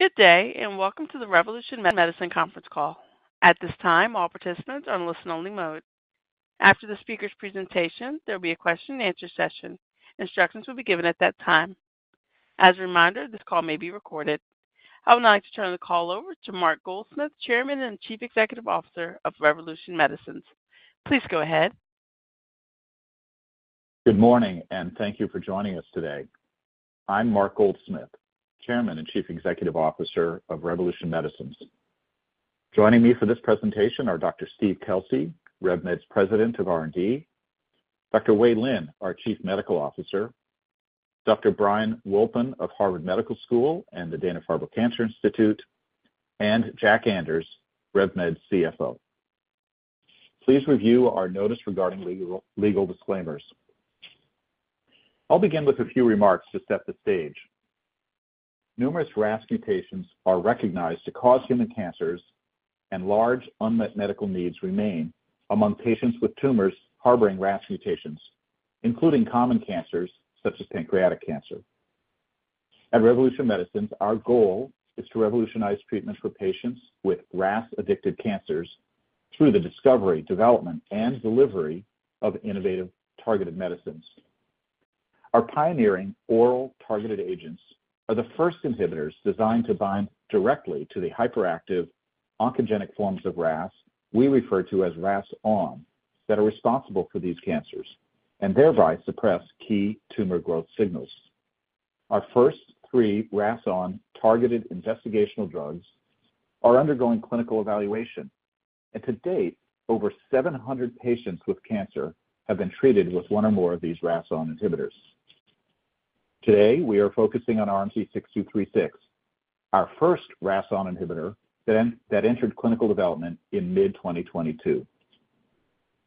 Good day, and welcome to the Revolution Medicines Conference Call. At this time, all participants are on listen-only mode. After the speaker's presentation, there will be a question and answer session. Instructions will be given at that time. As a reminder, this call may be recorded. I would now like to turn the call over to Mark Goldsmith, Chairman and Chief Executive Officer of Revolution Medicines. Please go ahead. Good morning, and thank you for joining us today. I'm Mark Goldsmith, Chairman and Chief Executive Officer of Revolution Medicines. Joining me for this presentation are Dr. Steve Kelsey, RevMed's President of R&D, Dr. Wei Lin, our Chief Medical Officer, Dr. Brian Wolpin of Harvard Medical School and the Dana-Farber Cancer Institute, and Jack Anders, RevMed's CFO. Please review our notice regarding legal, legal disclaimers. I'll begin with a few remarks to set the stage. Numerous RAS mutations are recognized to cause human cancers, and large unmet medical needs remain among patients with tumors harboring RAS mutations, including common cancers such as pancreatic cancer. At Revolution Medicines, our goal is to revolutionize treatments for patients with RAS-addicted cancers through the discovery, development, and delivery of innovative targeted medicines. Our pioneering oral targeted agents are the first inhibitors designed to bind directly to the hyperactive oncogenic forms of RAS we refer to as RAS(ON) that are responsible for these cancers and thereby suppress key tumor growth signals. Our first three RAS(ON) targeted investigational drugs are undergoing clinical evaluation, and to date, over 700 patients with cancer have been treated with one or more of these RAS(ON) inhibitors. Today, we are focusing on RMC-6236, our first RAS(ON) inhibitor that entered clinical development in mid-2022.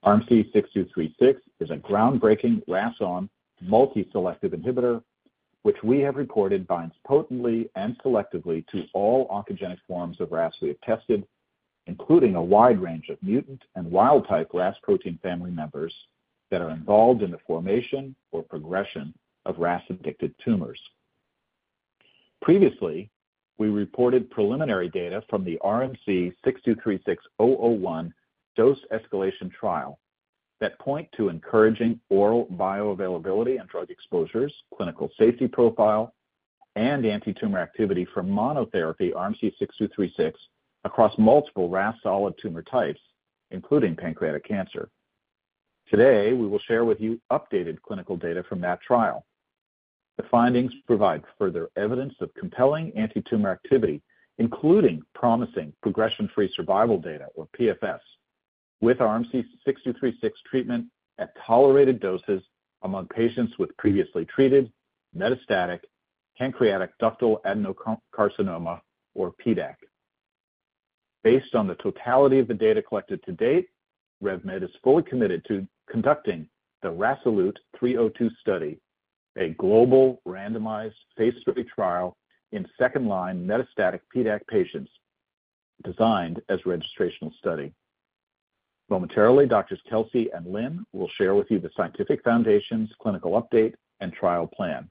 RMC-6236 is a groundbreaking RAS(ON) multi-selective inhibitor, which we have reported binds potently and selectively to all oncogenic forms of RAS we have tested, including a wide range of mutant and wild-type RAS protein family members that are involved in the formation or progression of RAS-addicted tumors. Previously, we reported preliminary data from the RMC-6236-001 dose escalation trial that point to encouraging oral bioavailability and drug exposures, clinical safety profile, and antitumor activity from monotherapy RMC-6236 across multiple RAS solid tumor types, including pancreatic cancer. Today, we will share with you updated clinical data from that trial. The findings provide further evidence of compelling antitumor activity, including promising progression-free survival data, or PFS, with RMC-6236 treatment at tolerated doses among patients with previously treated metastatic pancreatic ductal adenocarcinoma, or PDAC. Based on the totality of the data collected to date, RevMed is fully committed to conducting the RASolute 302 study, a global randomized phase III trial in second-line metastatic PDAC patients, designed as a registrational study. Momentarily, Doctors Kelsey and Lin will share with you the scientific foundations, clinical update, and trial plan.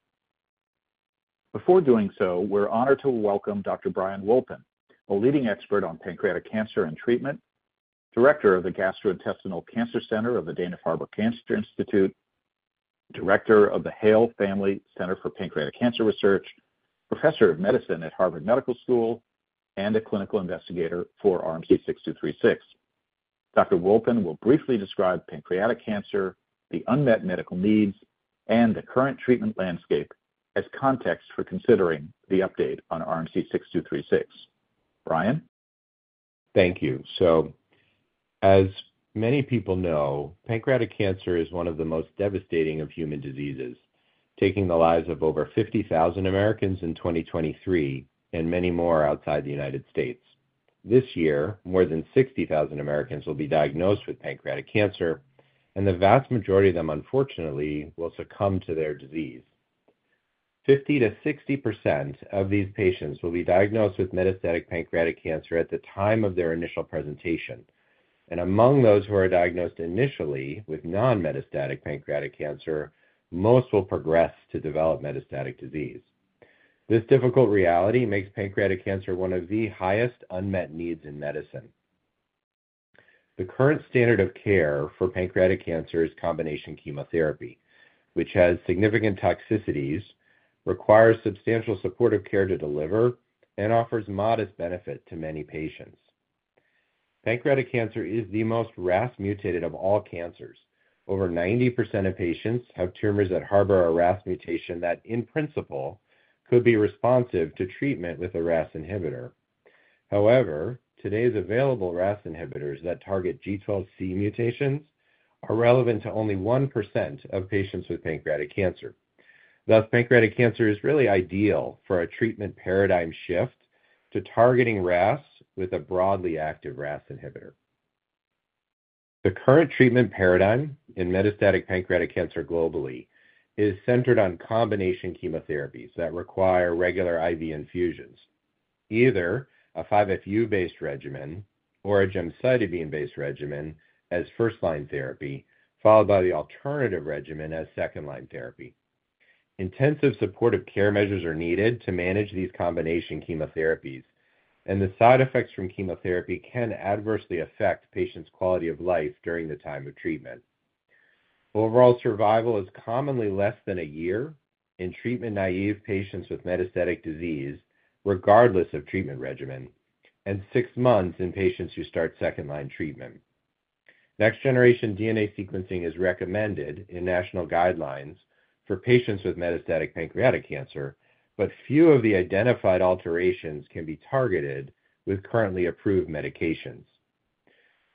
Before doing so, we're honored to welcome Dr. Brian Wolpin, a leading expert on pancreatic cancer and treatment, Director of the Gastrointestinal Cancer Center of the Dana-Farber Cancer Institute, Director of the Hale Family Center for Pancreatic Cancer Research, Professor of Medicine at Harvard Medical School, and a clinical investigator for RMC-6236. Dr. Wolpin will briefly describe pancreatic cancer, the unmet medical needs, and the current treatment landscape as context for considering the update on RMC-6236. Brian? Thank you. As many people know, pancreatic cancer is one of the most devastating of human diseases, taking the lives of over 50,000 Americans in 2023 and many more outside the United States. This year, more than 60,000 Americans will be diagnosed with pancreatic cancer, and the vast majority of them, unfortunately, will succumb to their disease. 50%-60% of these patients will be diagnosed with metastatic pancreatic cancer at the time of their initial presentation, and among those who are diagnosed initially with non-metastatic pancreatic cancer, most will progress to develop metastatic disease. This difficult reality makes pancreatic cancer one of the highest unmet needs in medicine. The current standard of care for pancreatic cancer is combination chemotherapy, which has significant toxicities, requires substantial supportive care to deliver, and offers modest benefit to many patients. Pancreatic cancer is the most RAS mutated of all cancers. Over 90% of patients have tumors that harbor a RAS mutation that, in principle, could be responsive to treatment with a RAS inhibitor. However, today's available RAS inhibitors that target G12C mutations are relevant to only 1% of patients with pancreatic cancer. Thus, pancreatic cancer is really ideal for a treatment paradigm shift to targeting RAS with a broadly active RAS inhibitor. The current treatment paradigm in metastatic pancreatic cancer globally is centered on combination chemotherapies that require regular IV infusions, either a 5-FU-based regimen or a gemcitabine-based regimen as first-line therapy, followed by the alternative regimen as second-line therapy. Intensive supportive care measures are needed to manage these combination chemotherapies, and the side effects from chemotherapy can adversely affect patients' quality of life during the time of treatment. Overall survival is commonly less than a year in treatment-naive patients with metastatic disease, regardless of treatment regimen, and six months in patients who start second-line treatment. Next-generation DNA sequencing is recommended in national guidelines for patients with metastatic pancreatic cancer, but few of the identified alterations can be targeted with currently approved medications.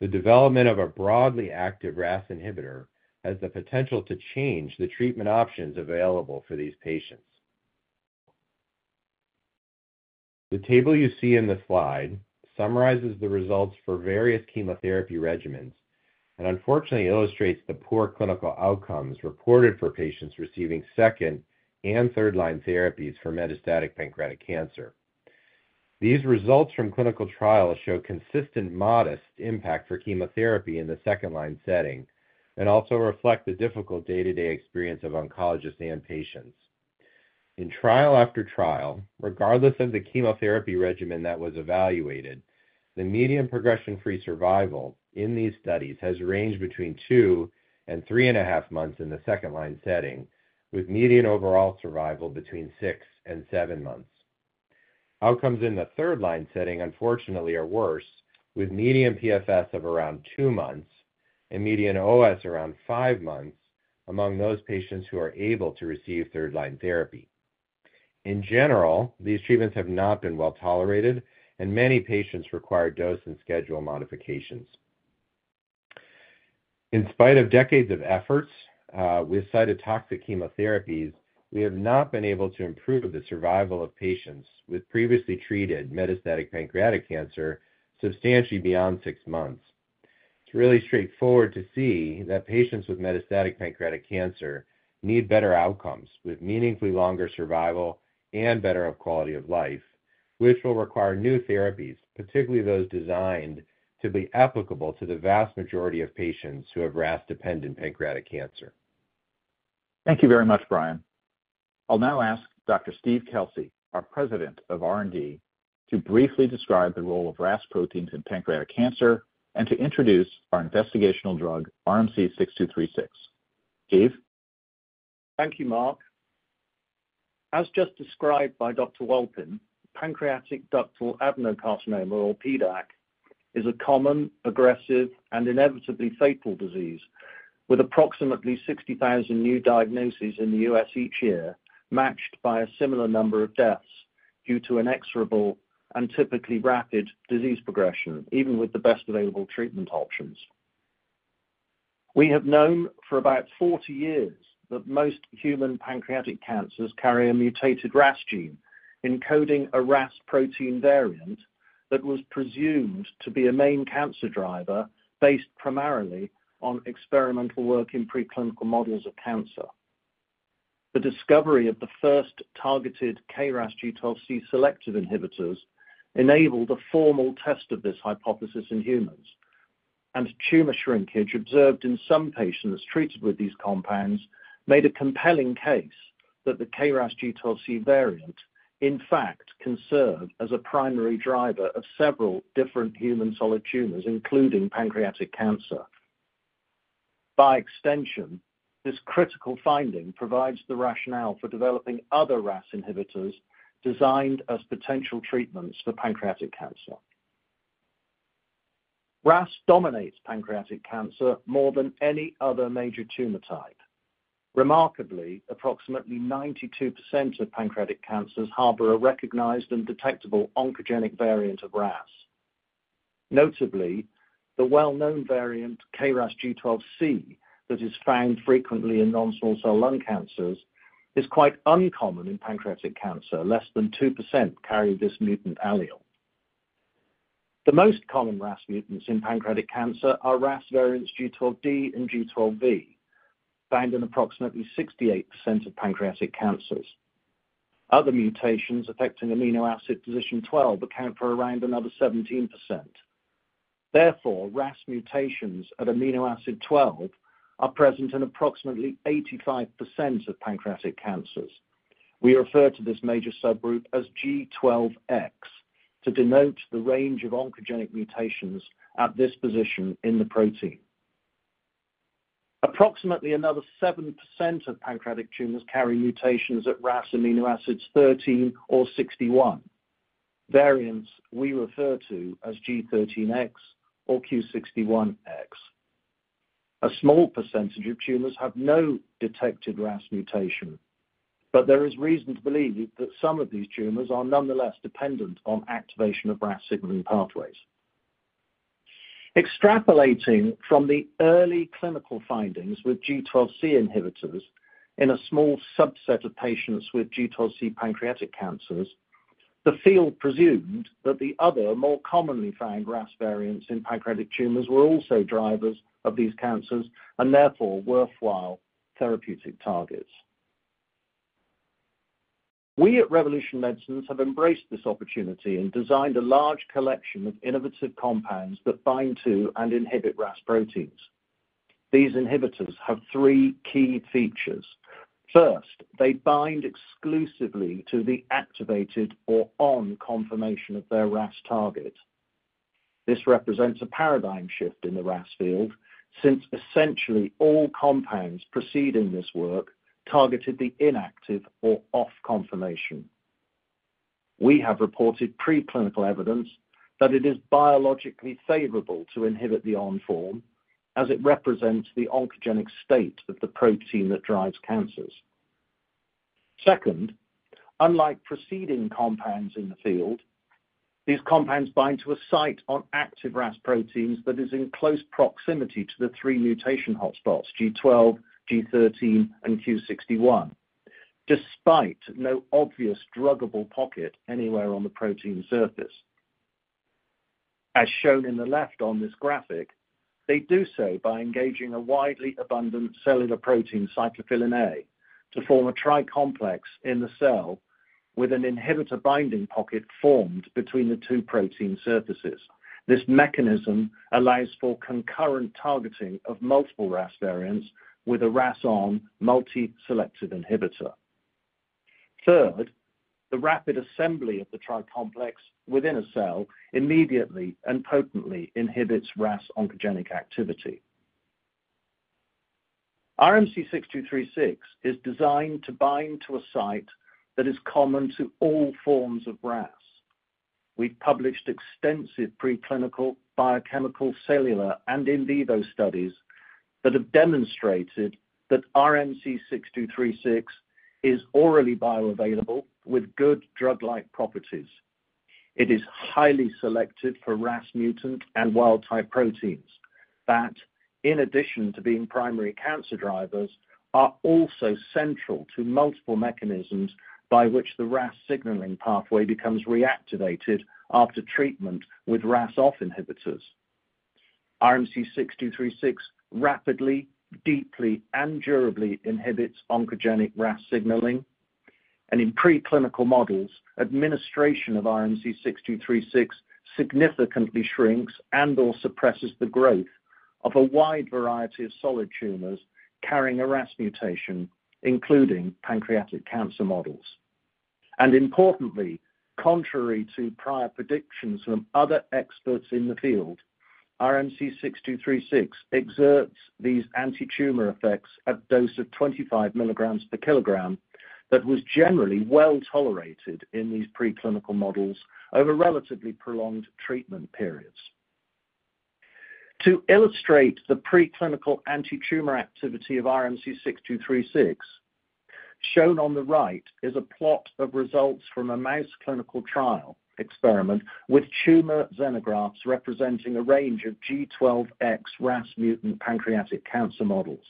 The development of a broadly active RAS inhibitor has the potential to change the treatment options available for these patients. The table you see in the slide summarizes the results for various chemotherapy regimens and unfortunately illustrates the poor clinical outcomes reported for patients receiving second and third-line therapies for metastatic pancreatic cancer. These results from clinical trials show consistent, modest impact for chemotherapy in the second-line setting and also reflect the difficult day to day experience of oncologists and patients. In trial after trial, regardless of the chemotherapy regimen that was evaluated, the median progression-free survival in these studies has ranged between two and 3.5 months in the second-line setting, with median overall survival between six and seven months. Outcomes in the third-line setting, unfortunately, are worse, with median PFS of around two months and median OS around five months among those patients who are able to receive third-line therapy. In general, these treatments have not been well-tolerated, and many patients require dose and schedule modifications. In spite of decades of efforts, with cytotoxic chemotherapies, we have not been able to improve the survival of patients with previously treated metastatic pancreatic cancer substantially beyond six months. It's really straightforward to see that patients with metastatic pancreatic cancer need better outcomes, with meaningfully longer survival and better quality of life, which will require new therapies, particularly those designed to be applicable to the vast majority of patients who have RAS-dependent pancreatic cancer. Thank you very much, Brian. I'll now ask Dr. Steve Kelsey, our President of R&D, to briefly describe the role of RAS proteins in pancreatic cancer and to introduce our investigational drug, RMC-6236. Steve? Thank you, Mark. As just described by Dr. Wolpin, pancreatic ductal adenocarcinoma, or PDAC, is a common, aggressive, and inevitably fatal disease with approximately 60,000 new diagnoses in the U.S. each year, matched by a similar number of deaths due to inexorable and typically rapid disease progression, even with the best available treatment options. We have known for about 40 years that most human pancreatic cancers carry a mutated RAS gene, encoding a RAS protein variant that was presumed to be a main cancer driver, based primarily on experimental work in preclinical models of cancer. The discovery of the first targeted KRAS G12C selective inhibitors enabled a formal test of this hypothesis in humans, and tumor shrinkage observed in some patients treated with these compounds made a compelling case that the KRAS G12C variant, in fact, can serve as a primary driver of several different human solid tumors, including pancreatic cancer. By extension, this critical finding provides the rationale for developing other RAS inhibitors designed as potential treatments for pancreatic cancer. RAS dominates pancreatic cancer more than any other major tumor type. Remarkably, approximately 92% of pancreatic cancers harbor a recognized and detectable oncogenic variant of RAS. Notably, the well-known variant, KRAS G12C, that is found frequently in non-small cell lung cancers, is quite uncommon in pancreatic cancer. Less than 2% carry this mutant allele. The most common RAS mutants in pancreatic cancer are RAS variants G12D and G12V, found in approximately 68% of pancreatic cancers. Other mutations affecting amino acid position 12 account for around another 17%. Therefore, RAS mutations at amino acid 12 are present in approximately 85% of pancreatic cancers. We refer to this major subgroup as G12X to denote the range of oncogenic mutations at this position in the protein. Approximately another 7% of pancreatic tumors carry mutations at RAS amino acids 13 or 61, variants we refer to as G13X or Q61X. A small percentage of tumors have no detected RAS mutation, but there is reason to believe that some of these tumors are nonetheless dependent on activation of RAS signaling pathways. Extrapolating from the early clinical findings with G12C inhibitors in a small subset of patients with G12C pancreatic cancers, the field presumed that the other more commonly found RAS variants in pancreatic tumors were also drivers of these cancers and therefore worthwhile therapeutic targets. We at Revolution Medicines have embraced this opportunity and designed a large collection of innovative compounds that bind to and inhibit RAS proteins. These inhibitors have three key features. First, they bind exclusively to the activated or on conformation of their RAS target. This represents a paradigm shift in the RAS field, since essentially all compounds preceding this work targeted the inactive or off conformation. We have reported preclinical evidence that it is biologically favorable to inhibit the on form as it represents the oncogenic state of the protein that drives cancers. Second, unlike preceding compounds in the field, these compounds bind to a site on active RAS proteins that is in close proximity to the three mutation hotspots, G12, G13, and Q61, despite no obvious druggable pocket anywhere on the protein surface. As shown on the left on this graphic, they do so by engaging a widely abundant cellular protein, Cyclophilin A, to form a tricomplex in the cell with an inhibitor binding pocket formed between the two protein surfaces. This mechanism allows for concurrent targeting of multiple RAS variants with a RAS(ON) multi-selective inhibitor. Third, the rapid assembly of the tricomplex within a cell immediately and potently inhibits RAS oncogenic activity. RMC-6236 is designed to bind to a site that is common to all forms of RAS. We've published extensive preclinical, biochemical, cellular, and in vivo studies that have demonstrated that RMC-6236 is orally bioavailable with good drug-like properties. It is highly selective for RAS mutant and wild-type proteins, that, in addition to being primary cancer drivers, are also central to multiple mechanisms by which the RAS signaling pathway becomes reactivated after treatment with RAS off inhibitors. RMC-6236 rapidly, deeply, and durably inhibits oncogenic RAS signaling, and in preclinical models, administration of RMC-6236 significantly shrinks and or suppresses the growth of a wide variety of solid tumors carrying a RAS mutation, including pancreatic cancer models. Importantly, contrary to prior predictions from other experts in the field, RMC-6236 exerts these antitumor effects at a dose of 25 mg per kg that was generally well-tolerated in these preclinical models over relatively prolonged treatment periods. To illustrate the preclinical antitumor activity of RMC-6236, shown on the right is a plot of results from a mouse clinical trial experiment with tumor xenografts representing a range of G12X RAS mutant pancreatic cancer models.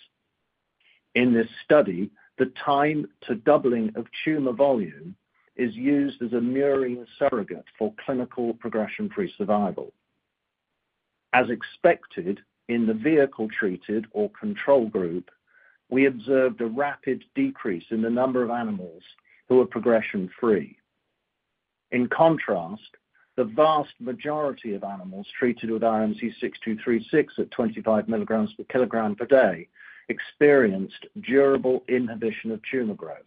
In this study, the time to doubling of tumor volume is used as a mirroring surrogate for clinical progression-free survival. As expected, in the vehicle-treated or control group, we observed a rapid decrease in the number of animals who were progression-free. In contrast, the vast majority of animals treated with RMC-6236 at 25 mg per kg per day experienced durable inhibition of tumor growth.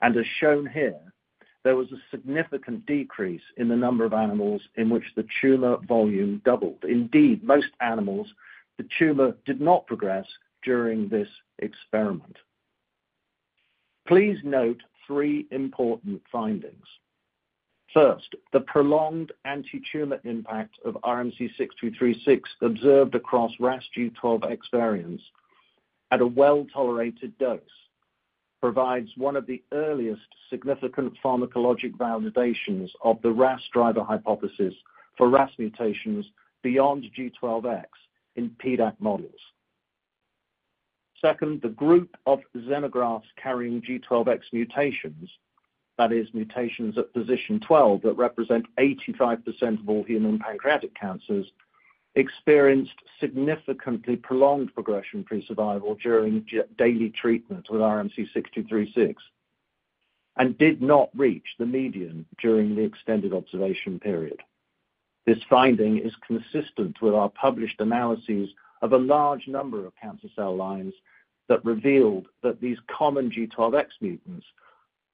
As shown here, there was a significant decrease in the number of animals in which the tumor volume doubled. Indeed, most animals, the tumor did not progress during this experiment. Please note three important findings. First, the prolonged antitumor impact of RMC-6236 observed across RAS G12X variants at a well-tolerated dose provides one of the earliest significant pharmacologic validations of the RAS driver hypothesis for RAS mutations beyond G12X in PDAC models. Second, the group of xenografts carrying G12X mutations, that is, mutations at position 12 that represent 85% of all human pancreatic cancers, experienced significantly prolonged progression-free survival during daily treatment with RMC-6236, and did not reach the median during the extended observation period. This finding is consistent with our published analyses of a large number of cancer cell lines that revealed that these common G12X mutants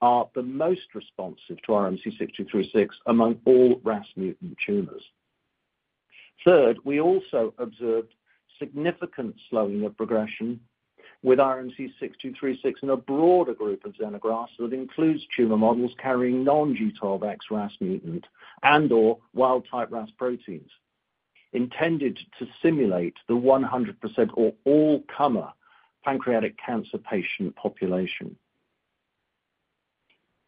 are the most responsive to RMC-6236 among all RAS mutant tumors. Third, we also observed significant slowing of progression with RMC-6236 in a broader group of xenografts that includes tumor models carrying non-G12X RAS mutant and/or wild-type RAS proteins, intended to simulate the 100% or all-comer pancreatic cancer patient population.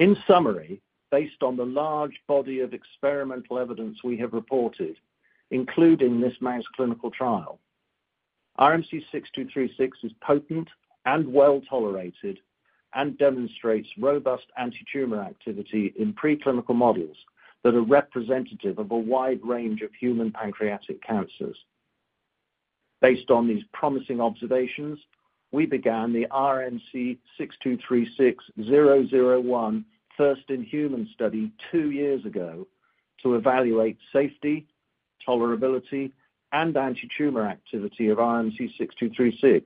In summary, based on the large body of experimental evidence we have reported, including this mouse clinical trial, RMC-6236 is potent and well-tolerated and demonstrates robust antitumor activity in preclinical models that are representative of a wide range of human pancreatic cancers. Based on these promising observations, we began the RMC-6236-001 first-in-human study two years ago to evaluate safety, tolerability, and antitumor activity of RMC-6236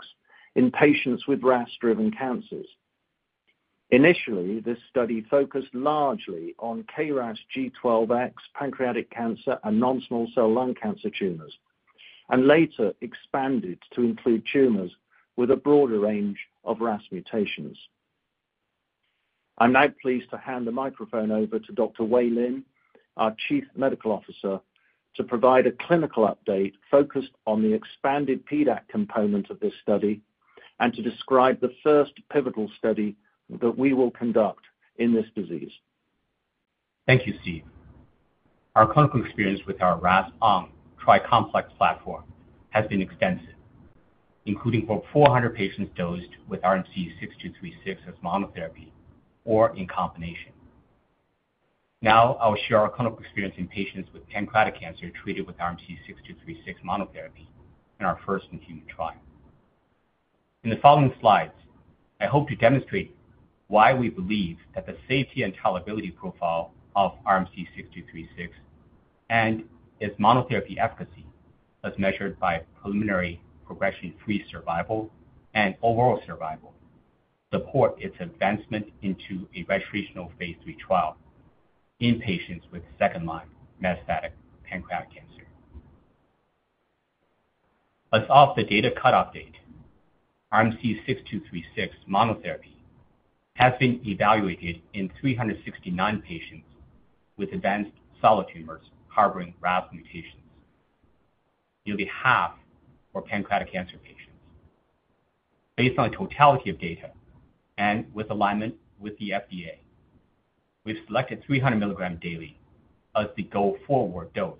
in patients with RAS-driven cancers. Initially, this study focused largely on KRAS G12X pancreatic cancer and non-small cell lung cancer tumors, and later expanded to include tumors with a broader range of RAS mutations. I'm now pleased to hand the microphone over to Dr. Wei Lin, our Chief Medical Officer, to provide a clinical update focused on the expanded PDAC component of this study and to describe the first pivotal study that we will conduct in this disease. Thank you, Steve. Our clinical experience with our RAS(ON) tri-complex platform has been extensive, including over 400 patients dosed with RMC-6236 as monotherapy or in combination. Now, I will share our clinical experience in patients with pancreatic cancer treated with RMC-6236 monotherapy in our first-in-human trial. In the following slides, I hope to demonstrate why we believe that the safety and tolerability profile of RMC-6236 and its monotherapy efficacy, as measured by preliminary progression-free survival and overall survival, support its advancement into a registrational phase III trial in patients with second-line metastatic pancreatic cancer. As of the data cut-off date, RMC-6236 monotherapy has been evaluated in 369 patients with advanced solid tumors harboring RAS mutations. Nearly half were pancreatic cancer patients. Based on the totality of data and with alignment with the FDA, we've selected 300 mg daily as the go-forward dose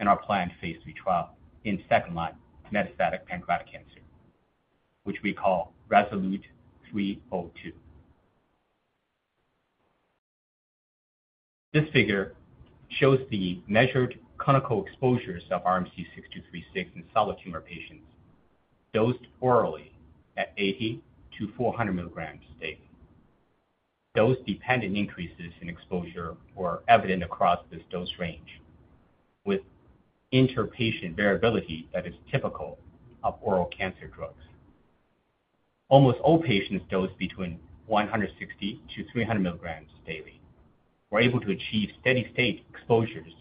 in our planned phase III trial in second-line metastatic pancreatic cancer, which we call RASolute 302. This figure shows the measured clinical exposures of RMC-6236 in solid tumor patients dosed orally at 80 mg -400 mg daily. Dose-dependent increases in exposure were evident across this dose range, with inter-patient variability that is typical of oral cancer drugs. Almost all patients dosed between 160 mg-300 mg daily were able to achieve steady state exposures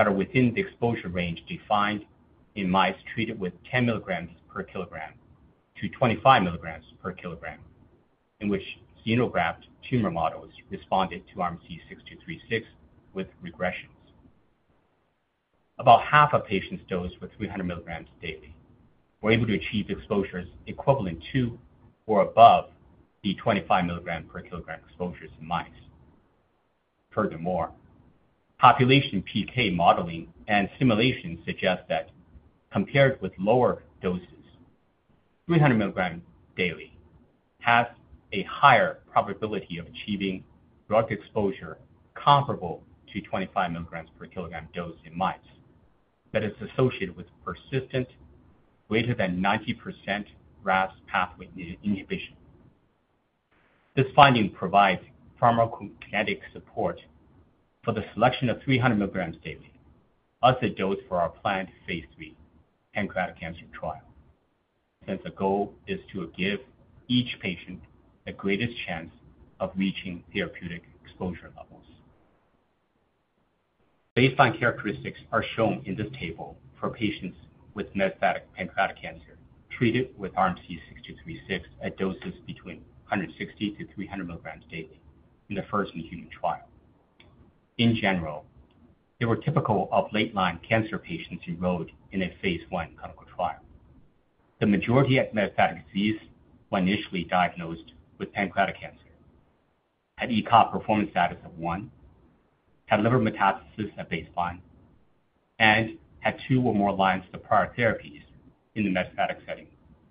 that are within the exposure range defined in mice treated with 10 mg per kg-25 mg per kg, in which xenograft tumor models responded to RMC-6236 with regressions. About half of patients dosed with 300 mg daily were able to achieve exposures equivalent to or above the 25 mg per kg exposures in mice. Furthermore, population PK modeling and simulation suggest that compared with lower doses, 300 mg daily has a higher probability of achieving drug exposure comparable to 25 mg per kg dose in mice, that is associated with persistent, greater than 90% RAS pathway inhibition. This finding provides pharmacokinetic support for the selection of 300 mg daily as the dose for our planned phase III pancreatic cancer trial, since the goal is to give each patient the greatest chance of reaching therapeutic exposure levels. Baseline characteristics are shown in this table for patients with metastatic pancreatic cancer treated with RMC-6236 at doses between 160 mg-300 mg daily in the first-in-human trial. In general, they were typical of late-line cancer patients enrolled in a phase I clinical trial. The majority had metastatic disease, were initially diagnosed with pancreatic cancer, had ECOG performance status of one, had liver metastasis at baseline, and had two or more lines of prior therapies in the metastatic setting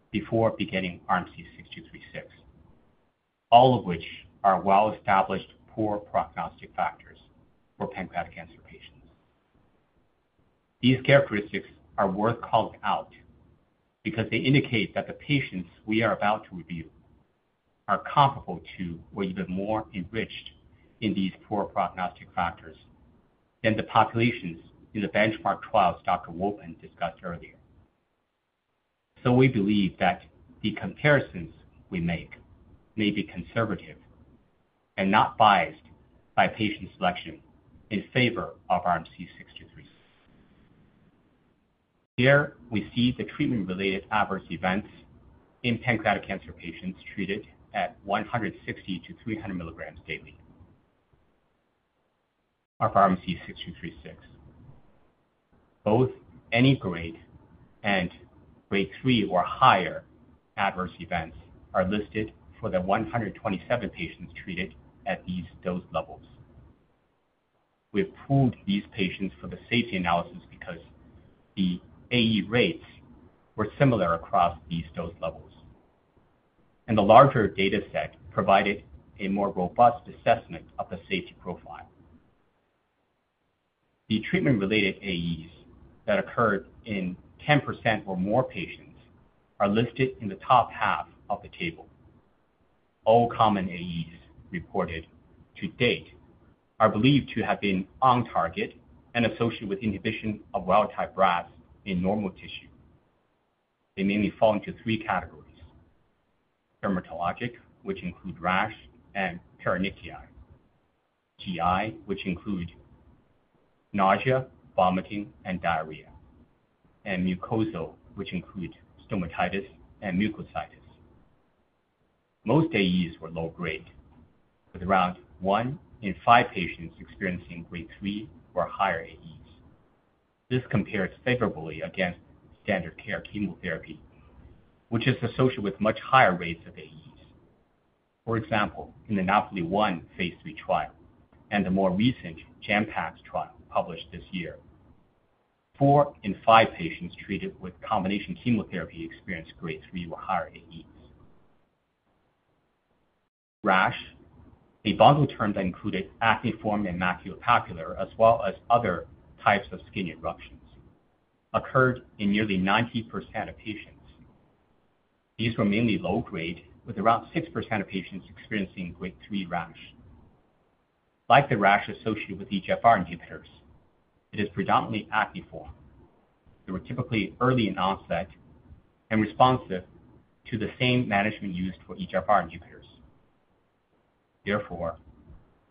before beginning RMC-6236, all of which are well-established poor prognostic factors for pancreatic cancer patients. These characteristics are worth calling out because they indicate that the patients we are about to review are comparable to, or even more enriched in these poor prognostic factors than the populations in the benchmark trials Dr. Wolpin discussed earlier. So we believe that the comparisons we make may be conservative and not biased by patient selection in favor of RMC-6236. Here, we see the treatment-related adverse events in pancreatic cancer patients treated at 160 mg-300 mg daily of RMC-6236. Both any grade and grade three or higher adverse events are listed for the 127 patients treated at these dose levels. We pooled these patients for the safety analysis because the AE rates were similar across these dose levels, and the larger data set provided a more robust assessment of the safety profile. The treatment-related AEs that occurred in 10% or more patients are listed in the top half of the table. All common AEs reported to date are believed to have been on target and associated with inhibition of wild-type RAS in normal tissue. They mainly fall into three categories: dermatologic, which include rash and paronychia, GI, which include nausea, vomiting, and diarrhea, and mucosal, which include stomatitis and mucositis. Most AEs were low-grade, with around one in five patients experiencing grade three or higher AEs. This compares favorably against standard care chemotherapy, which is associated with much higher rates of AEs. For example, in the NAPOLI-1 phase III trial and the more recent GEMPAX trial published this year, four in five patients treated with combination chemotherapy experienced grade three or higher AEs. Rash, a bundle term that included acneiform and maculopapular, as well as other types of skin eruptions, occurred in nearly 90% of patients. These were mainly low-grade, with around 6% of patients experiencing grade three rash. Like the rash associated with EGFR inhibitors, it is predominantly acneiform. They were typically early in onset and responsive to the same management used for EGFR inhibitors. Therefore,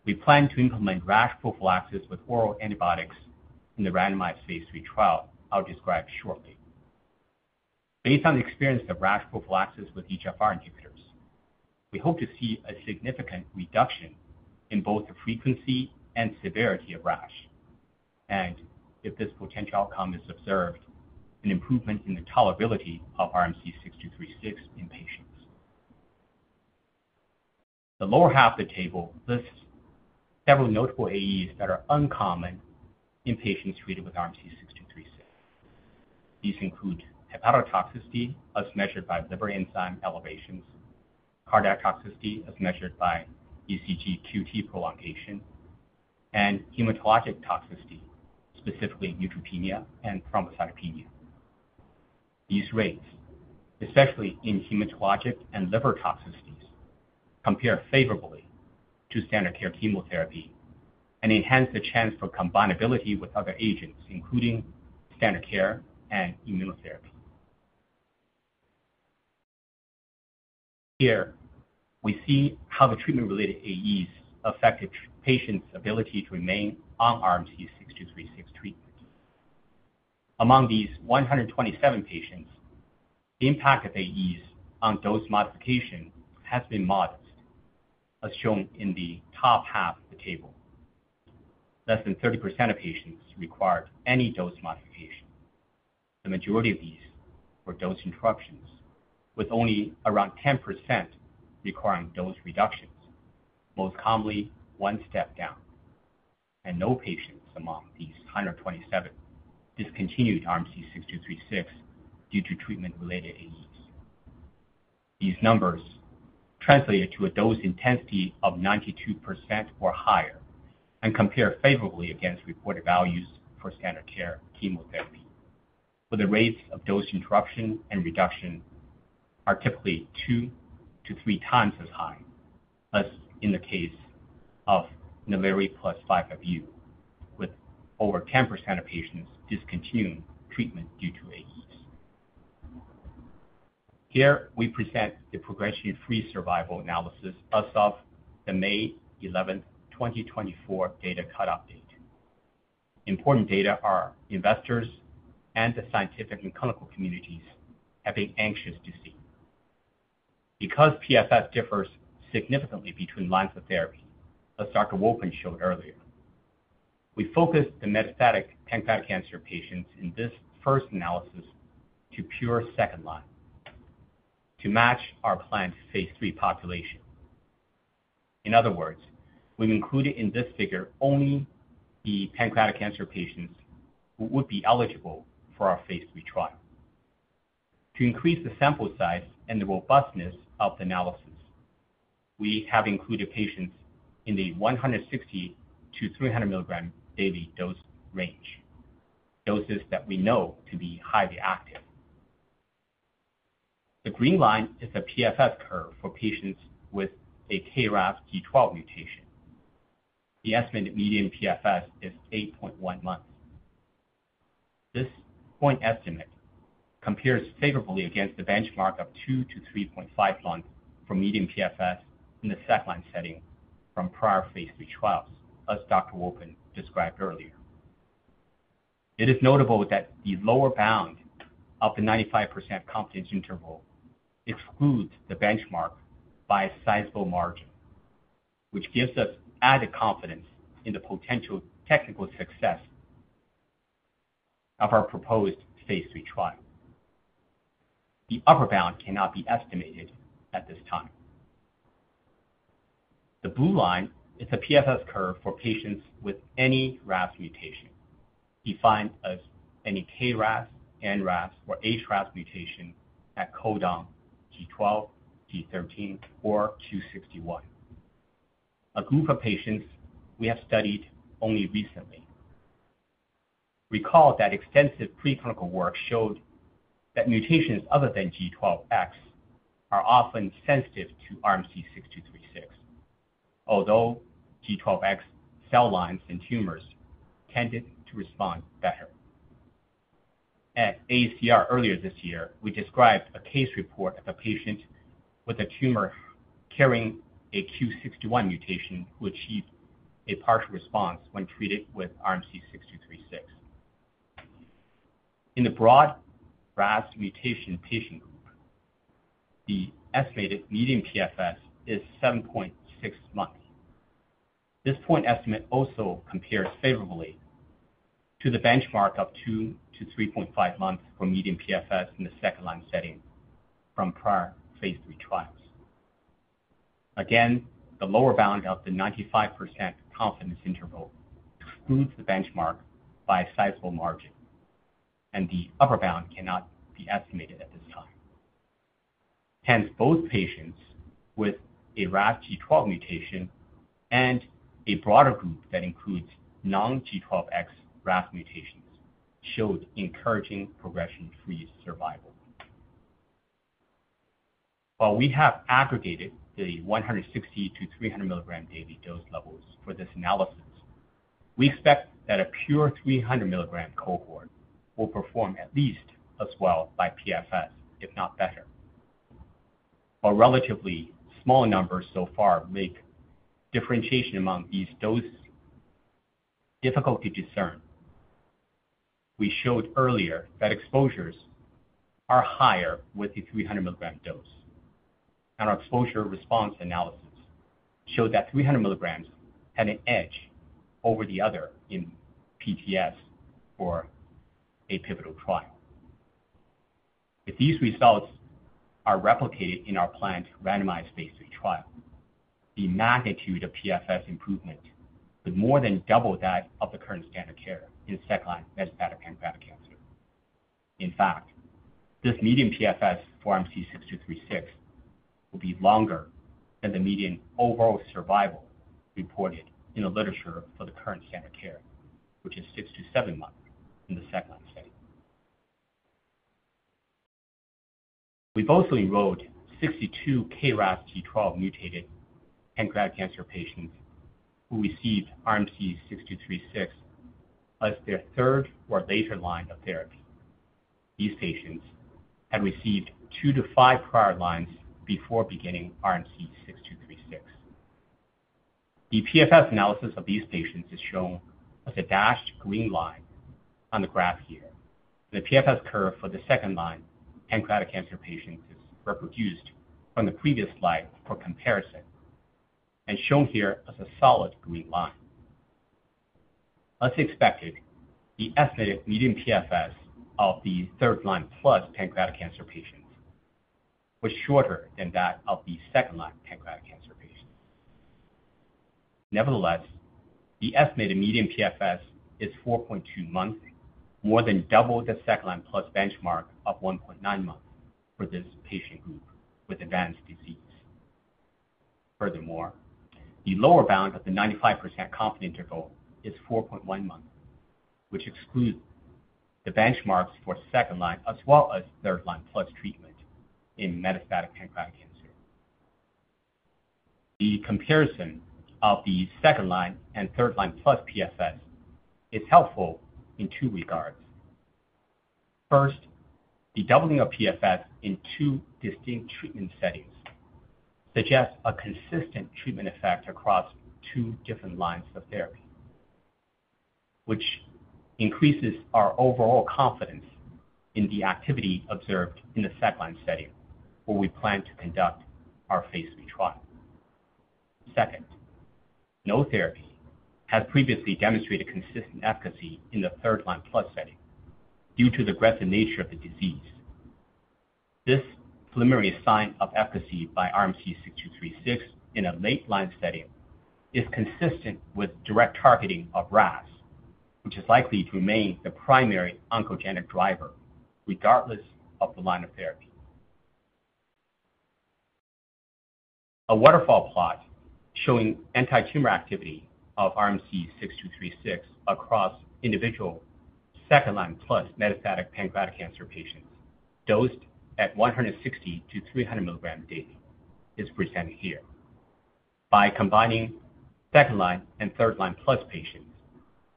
we plan to implement rash prophylaxis with oral antibiotics in the randomized phase III trial I'll describe shortly. Based on the experience of rash prophylaxis with EGFR inhibitors, we hope to see a significant reduction in both the frequency and severity of rash, and if this potential outcome is observed, an improvement in the tolerability of RMC-6236 in patients. The lower half of the table lists several notable AEs that are uncommon in patients treated with RMC-6236. These include hepatotoxicity, as measured by liver enzyme elevations, cardiac toxicity, as measured by ECG QT prolongation, and hematologic toxicity, specifically neutropenia and thrombocytopenia. These rates, especially in hematologic and liver toxicities, compare favorably to standard of care chemotherapy and enhance the chance for combinability with other agents, including standard care and immunotherapy. Here, we see how the treatment related AEs affected patients' ability to remain on RMC-6236 treatment. Among these 127 patients, the impact of AEs on dose modification has been modest, as shown in the top half of the table. Less than 30% of patients required any dose modification. The majority of these were dose interruptions, with only around 10% requiring dose reductions, most commonly one step down, and no patients among these 127 discontinued RMC-6236 due to treatment-related AEs. These numbers translate to a dose intensity of 92% or higher and compare favorably against reported values for standard care chemotherapy, where the rates of dose interruption and reduction are typically two to three times as high as in the case of nal-IRI plus 5-FU, with over 10% of patients discontinuing treatment due to AEs. Here, we present the progression free survival analysis as of the May 11, 2024, data cut-off date. Important data our investors and the scientific and clinical communities have been anxious to see. Because PFS differs significantly between lines of therapy, as Dr. Wolpin showed earlier, we focused the metastatic pancreatic cancer patients in this first analysis to pure second-line to match our planned phase III population. In other words, we've included in this figure only the pancreatic cancer patients who would be eligible for our phase III trial. To increase the sample size and the robustness of the analysis, we have included patients in the 160 mg-300 mg daily dose range, doses that we know to be highly active. The green line is a PFS curve for patients with a KRAS G12 mutation. The estimated median PFS is 8.1 months. This point estimate compares favorably against the benchmark of two-3.5 months for median PFS in the second-line setting from prior phase III trials, as Dr. Wolpin described earlier. It is notable that the lower bound of the 95% confidence interval excludes the benchmark by a sizable margin, which gives us added confidence in the potential technical success of our proposed phase III trial. The upper bound cannot be estimated at this time. The blue line is a PFS curve for patients with any RAS mutation. Defined as any KRAS, NRAS, or HRAS mutation at codon G12, G13, or Q61. A group of patients we have studied only recently. Recall that extensive preclinical work showed that mutations other than G12X are often sensitive to RMC-6236, although G12X cell lines and tumors tended to respond better. At AACR earlier this year, we described a case report of a patient with a tumor carrying a Q61 mutation, who achieved a partial response when treated with RMC-6236. In the broad RAS mutation patient group, the estimated median PFS is 7.6 months. This point estimate also compares favorably to the benchmark of two-3.5 months for median PFS in the second-line setting from prior phase III trials. Again, the lower bound of the 95% confidence interval excludes the benchmark by a sizable margin, and the upper bound cannot be estimated at this time. Hence, both patients with a RAS G12 mutation and a broader group that includes non-G12X RAS mutations showed encouraging progression-free survival. While we have aggregated the 160 mg-300 mg daily dose levels for this analysis, we expect that a pure 300 mg cohort will perform at least as well by PFS, if not better. A relatively small number so far make differentiation among these doses difficult to discern. We showed earlier that exposures are higher with the 300 mg dose, and our exposure response analysis showed that 300 mg had an edge over the other in PFS for a pivotal trial. If these results are replicated in our planned randomized phase III trial, the magnitude of PFS improvement would more than double that of the current standard of care in second-line metastatic pancreatic cancer. In fact, this median PFS for RMC-6236 will be longer than the median overall survival reported in the literature for the current standard care, which is six to seven months in the second-line setting. We've also enrolled 62 KRAS G12 mutated pancreatic cancer patients, who received RMC-6236 as their third or later line of therapy. These patients had received two to five prior lines before beginning RMC-6236. The PFS analysis of these patients is shown as a dashed green line on the graph here. The PFS curve for the second-line pancreatic cancer patients is reproduced from the previous slide for comparison and shown here as a solid green line. As expected, the estimated median PFS of the third line plus pancreatic cancer patients was shorter than that of the second-line pancreatic cancer patients. Nevertheless, the estimated median PFS is 4.2 months, more than double the second-line plus benchmark of 1.9 months for this patient group with advanced disease. Furthermore, the lower bound of the 95% confidence interval is 4.1 months, which excludes the benchmarks for second-line as well as third-line plus treatment in metastatic pancreatic cancer. The comparison of the second line and third line plus PFS is helpful in two regards. First, the doubling of PFS in two distinct treatment settings suggests a consistent treatment effect across two different lines of therapy, which increases our overall confidence in the activity observed in the second-line setting, where we plan to conduct our phase III trial. Second, no therapy has previously demonstrated consistent efficacy in the third-line plus setting due to the aggressive nature of the disease. This preliminary sign of efficacy by RMC-6236 in a late-line setting is consistent with direct targeting of RAS, which is likely to remain the primary oncogenic driver, regardless of the line of therapy. A waterfall plot showing antitumor activity of RMC-6236 across individual second-line plus metastatic pancreatic cancer patients, dosed at 160 mg-300 mg daily, is presented here. By combining second-line and third-line plus patients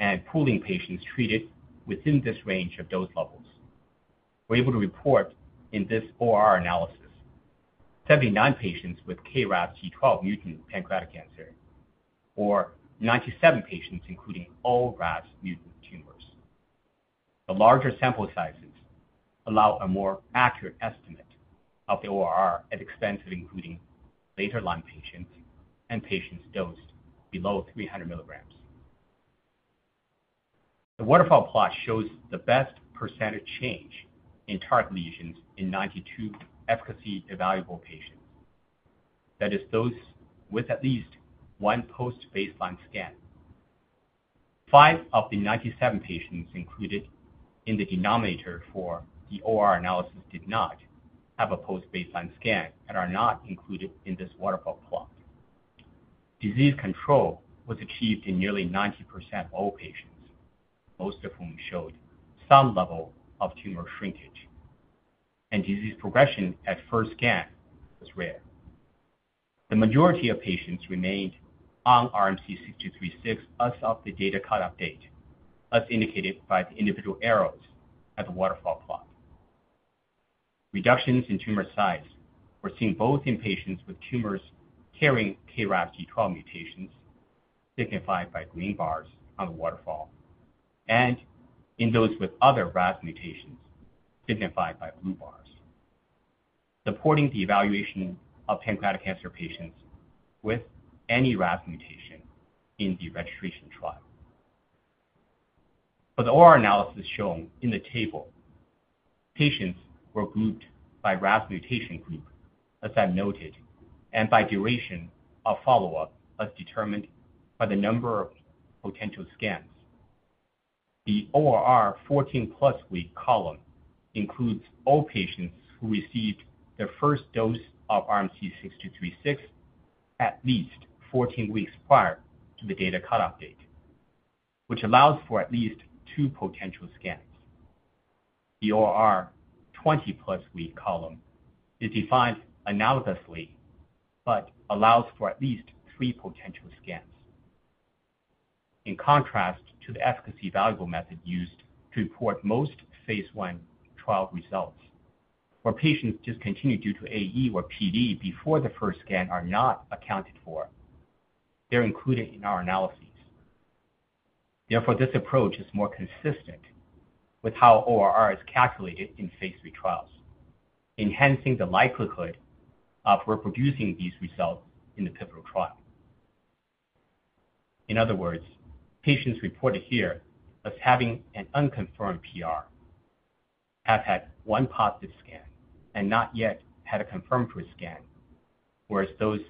and pooling patients treated within this range of dose levels, we're able to report in this ORR analysis, 79 patients with KRAS G12 mutant pancreatic cancer, or 97 patients, including all RAS mutant tumors. The larger sample sizes allow a more accurate estimate of the ORR at the expense of including later-line patients and patients dosed below 300 mg. The waterfall plot shows the best percentage change in target lesions in 92 efficacy-evaluable patients. That is those with at least one post-baseline scan. Five of the 97 patients included in the denominator for the ORR analysis did not have a post-baseline scan and are not included in this waterfall plot. Disease control was achieved in nearly 90% of all patients, most of whom showed some level of tumor shrinkage, and disease progression at first scan was rare. The majority of patients remained on RMC-6236 as of the data cut-off date, as indicated by the individual arrows at the waterfall plot. Reductions in tumor size were seen both in patients with tumors carrying KRAS G12 mutations, signified by green bars on the waterfall, and in those with other RAS mutations, signified by blue bars, supporting the evaluation of pancreatic cancer patients with any RAS mutation in the registration trial. For the ORR analysis shown in the table, patients were grouped by RAS mutation group, as I noted, and by duration of follow-up, as determined by the number of potential scans. The ORR 14+ week column includes all patients who received their first dose of RMC-6236 at least 14 weeks prior to the data cut-off date, which allows for at least two potential scans. The ORR 20+ week column is defined analogously, but allows for at least three potential scans. In contrast to the efficacy-evaluable method used to report most phase I trial results, where patients discontinued due to AE or PD before the first scan are not accounted for, they're included in our analyses. Therefore, this approach is more consistent with how ORR is calculated in phase III trials, enhancing the likelihood of reproducing these results in the pivotal trial. In other words, patients reported here as having an unconfirmed PR, have had one positive scan and not yet had a confirmed PR scan, whereas those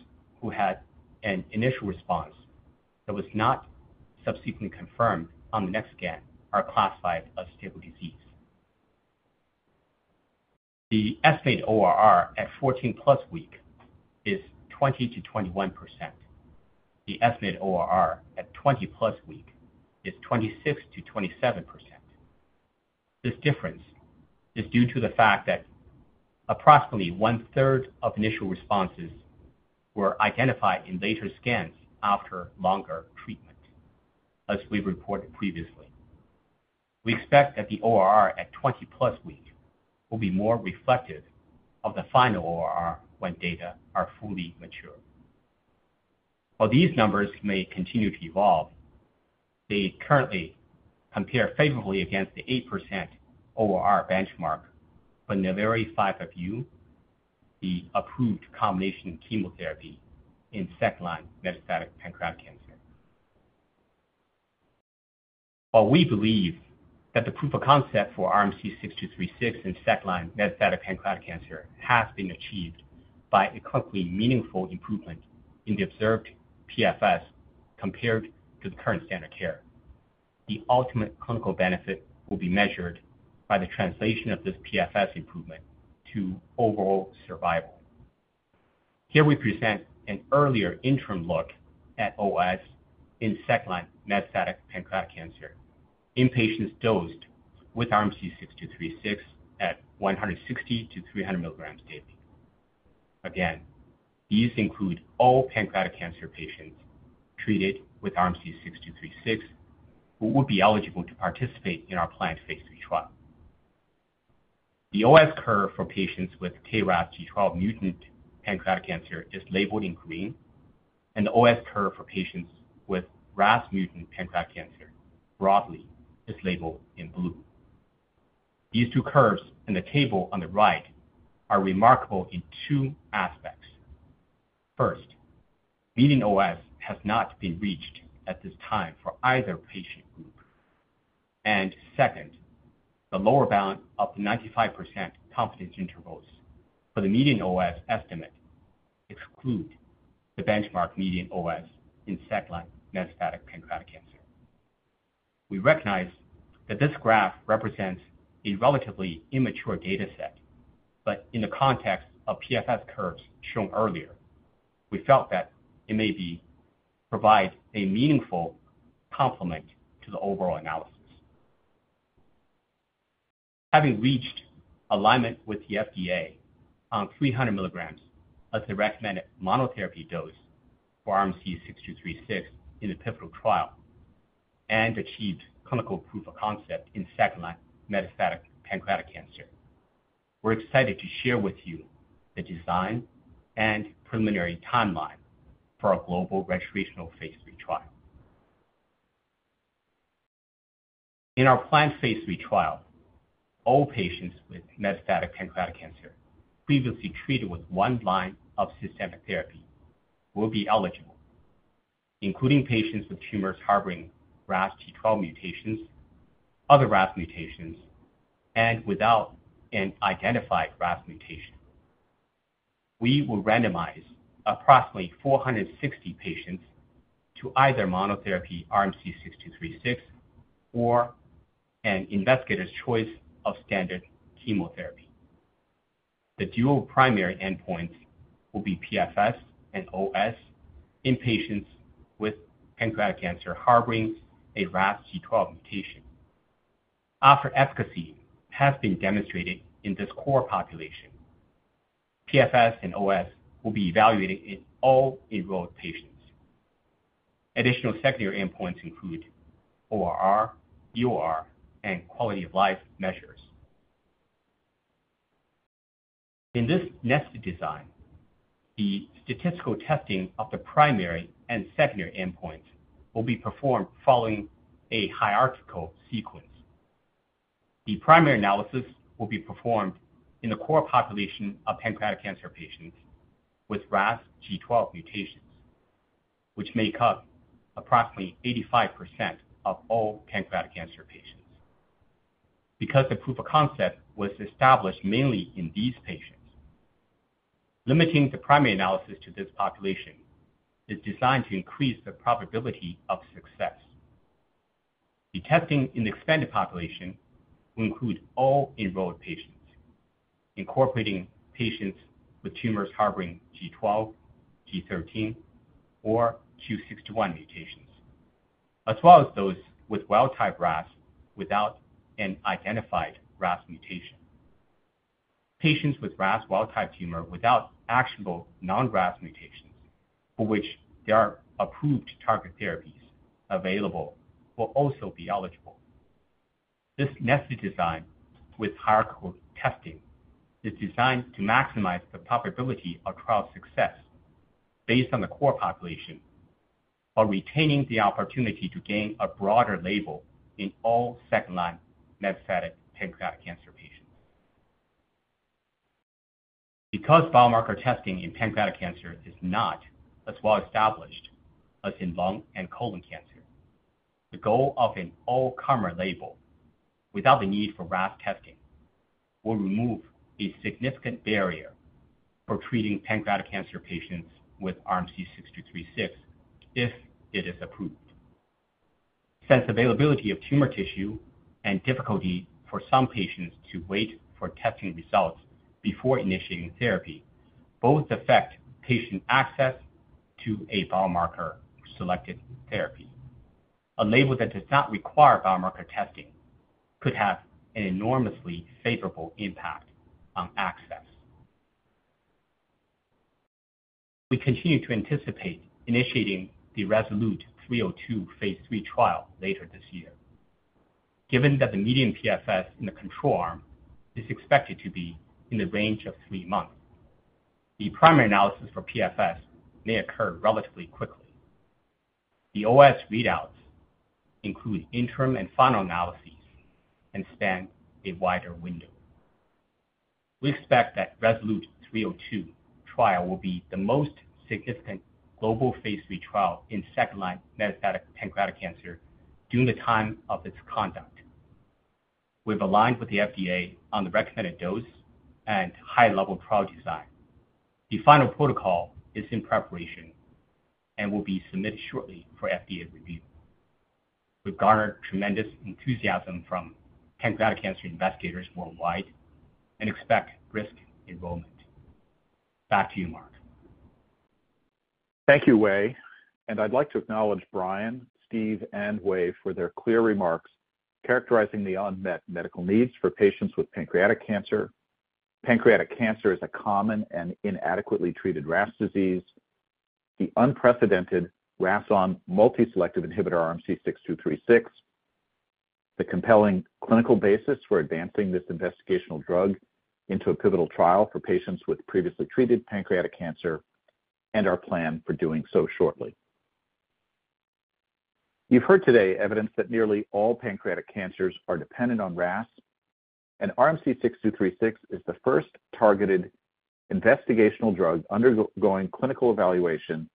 who had an initial response that was not subsequently confirmed on the next scan, are classified as stable disease. The estimated ORR at 14+ week is 20%-21%. The estimated ORR at 20+ week is 26%-27%. This difference is due to the fact that approximately one-third of initial responses were identified in later scans after longer treatment, as we've reported previously. We expect that the ORR at 20+ week will be more reflective of the final ORR when data are fully mature. While these numbers may continue to evolve, they currently compare favorably against the 8% ORR benchmark for nal-IRI 5-FU, the approved combination of chemotherapy in second line metastatic pancreatic cancer. While we believe that the proof of concept for RMC-6236 in second-line metastatic pancreatic cancer has been achieved by a clinically meaningful improvement in the observed PFS, compared to the current standard of care, the ultimate clinical benefit will be measured by the translation of this PFS improvement to overall survival. Here we present an earlier interim look at OS in second-line metastatic pancreatic cancer in patients dosed with RMC-6236 at 160 mg-300 mg daily. Again, these include all pancreatic cancer patients treated with RMC-6236, who would be eligible to participate in our planned phase III trial. The OS curve for patients with KRAS G12 mutant pancreatic cancer is labeled in green, and the OS curve for patients with RAS mutant pancreatic cancer, broadly, is labeled in blue. These two curves in the table on the right are remarkable in two aspects. First, median OS has not been reached at this time for either patient group. Second, the lower bound of the 95% confidence intervals for the median OS estimate exclude the benchmark median OS in second-line metastatic pancreatic cancer. We recognize that this graph represents a relatively immature data set, but in the context of PFS curves shown earlier, we felt that it may provide a meaningful complement to the overall analysis. Having reached alignment with the FDA on 300 mg as the recommended monotherapy dose for RMC-6236 in the pivotal trial and achieved clinical proof of concept in second-line metastatic pancreatic cancer, we're excited to share with you the design and preliminary timeline for our global registrational phaseIIII trial. In our planned phase III trial, all patients with metastatic pancreatic cancer previously treated with one line of systemic therapy will be eligible. Including patients with tumors harboring RAS G12 mutations, other RAS mutations, and without an identified RAS mutation. We will randomize approximately 460 patients to either monotherapy RMC-6236, or an investigator's choice of standard chemotherapy. The dual primary endpoints will be PFS and OS in patients with pancreatic cancer harboring a RAS G12 mutation. After efficacy has been demonstrated in this core population, PFS and OS will be evaluated in all enrolled patients. Additional secondary endpoints include ORR, DOR, and quality of life measures. In this nested design, the statistical testing of the primary and secondary endpoints will be performed following a hierarchical sequence. The primary analysis will be performed in the core population of pancreatic cancer patients with RAS G12 mutations, which make up approximately 85% of all pancreatic cancer patients. Because the proof of concept was established mainly in these patients, limiting the primary analysis to this population is designed to increase the probability of success. The testing in the expanded population will include all enrolled patients, incorporating patients with tumors harboring G12, G13, or Q61 mutations, as well as those with wild-type RAS without an identified RAS mutation. Patients with RAS wild-type tumor without actionable non-RAS mutations, for which there are approved target therapies available, will also be eligible. This nested design with hierarchical testing is designed to maximize the probability of trial success based on the core population, while retaining the opportunity to gain a broader label in all second-line metastatic pancreatic cancer patients. Because biomarker testing in pancreatic cancer is not as well established as in lung and colon cancer, the goal of an all-comer label without the need for RAS testing will remove a significant barrier for treating pancreatic cancer patients with RMC-6236, if it is approved. Since availability of tumor tissue and difficulty for some patients to wait for testing results before initiating therapy, both affect patient access to a biomarker-selected therapy. A label that does not require biomarker testing could have an enormously favorable impact on access. We continue to anticipate initiating the RASolute 302 phase III trial later this year. Given that the median PFS in the control arm is expected to be in the range of three months, the primary analysis for PFS may occur relatively quickly. The OS readouts include interim and final analyses and span a wider window. We expect that RASolute 302 trial will be the most significant global phase III trial in second-line metastatic pancreatic cancer during the time of its conduct. We've aligned with the FDA on the recommended dose and high-level trial design. The final protocol is in preparation and will be submitted shortly for FDA review. We've garnered tremendous enthusiasm from pancreatic cancer investigators worldwide and expect rapid enrollment. Back to you, Mark. Thank you, Wei. And I'd like to acknowledge Brian, Steve, and Wei for their clear remarks characterizing the unmet medical needs for patients with pancreatic cancer. Pancreatic cancer is a common and inadequately treated RAS disease. The unprecedented RAS(ON) multi-selective inhibitor, RMC-6236, the compelling clinical basis for advancing this investigational drug into a pivotal trial for patients with previously treated pancreatic cancer, and our plan for doing so shortly. You've heard today evidence that nearly all pancreatic cancers are dependent on RAS, and RMC-6236 is the first targeted investigational drug undergoing clinical evaluation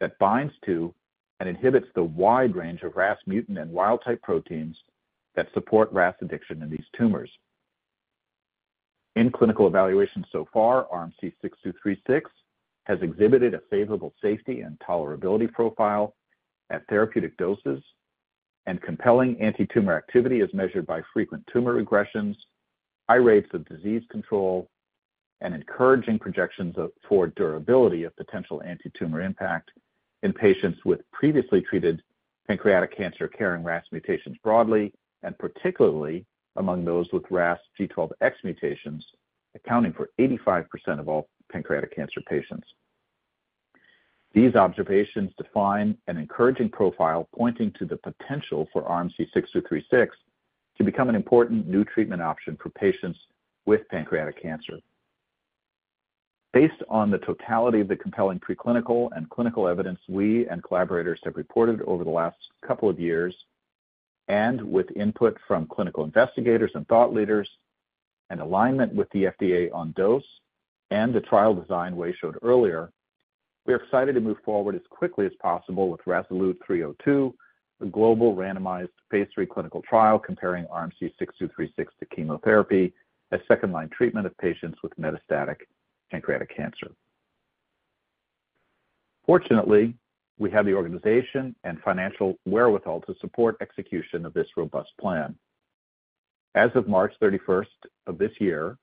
that binds to and inhibits the wide range of RAS mutant and wild-type proteins that support RAS addiction in these tumors. In clinical evaluations so far, RMC-6236 has exhibited a favorable safety and tolerability profile at therapeutic doses and compelling antitumor activity as measured by frequent tumor regressions, high rates of disease control, and encouraging projections for durability of potential antitumor impact in patients with previously treated pancreatic cancer carrying RAS mutations broadly, and particularly among those with RAS G12X mutations, accounting for 85% of all pancreatic cancer patients. These observations define an encouraging profile, pointing to the potential for RMC-6236 to become an important new treatment option for patients with pancreatic cancer. Based on the totality of the compelling preclinical and clinical evidence we and collaborators have reported over the last couple of years. With input from clinical investigators and thought leaders and alignment with the FDA on dose and the trial design we showed earlier, we are excited to move forward as quickly as possible with RASolute 302, a global randomized phase III clinical trial comparing RMC-6236 to chemotherapy as second-line treatment of patients with metastatic pancreatic cancer. Fortunately, we have the organization and financial wherewithal to support execution of this robust plan. As of March 31st of this year,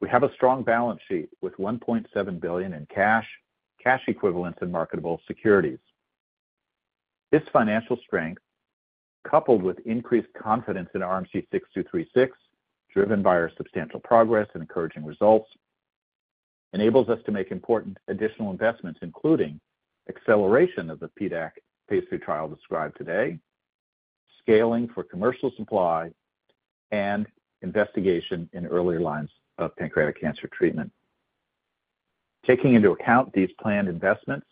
we have a strong balance sheet with $1.7 billion in cash, cash equivalents, and marketable securities. This financial strength, coupled with increased confidence in RMC-6236, driven by our substantial progress and encouraging results, enables us to make important additional investments, including acceleration of the PDAC phase III trial described today, scaling for commercial supply, and investigation in earlier lines of pancreatic cancer treatment. Taking into account these planned investments,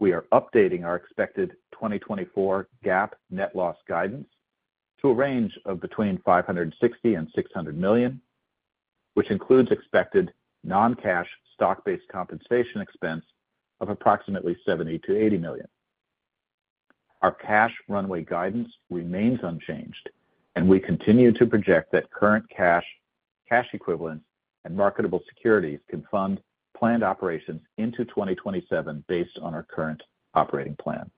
we are updating our expected 2024 GAAP net loss guidance to a range of between $560 million and $600 million, which includes expected non-cash stock-based compensation expense of approximately $70 million-$80 million. Our cash runway guidance remains unchanged, and we continue to project that current cash, cash equivalents, and marketable securities can fund planned operations into 2027 based on our current operating plan.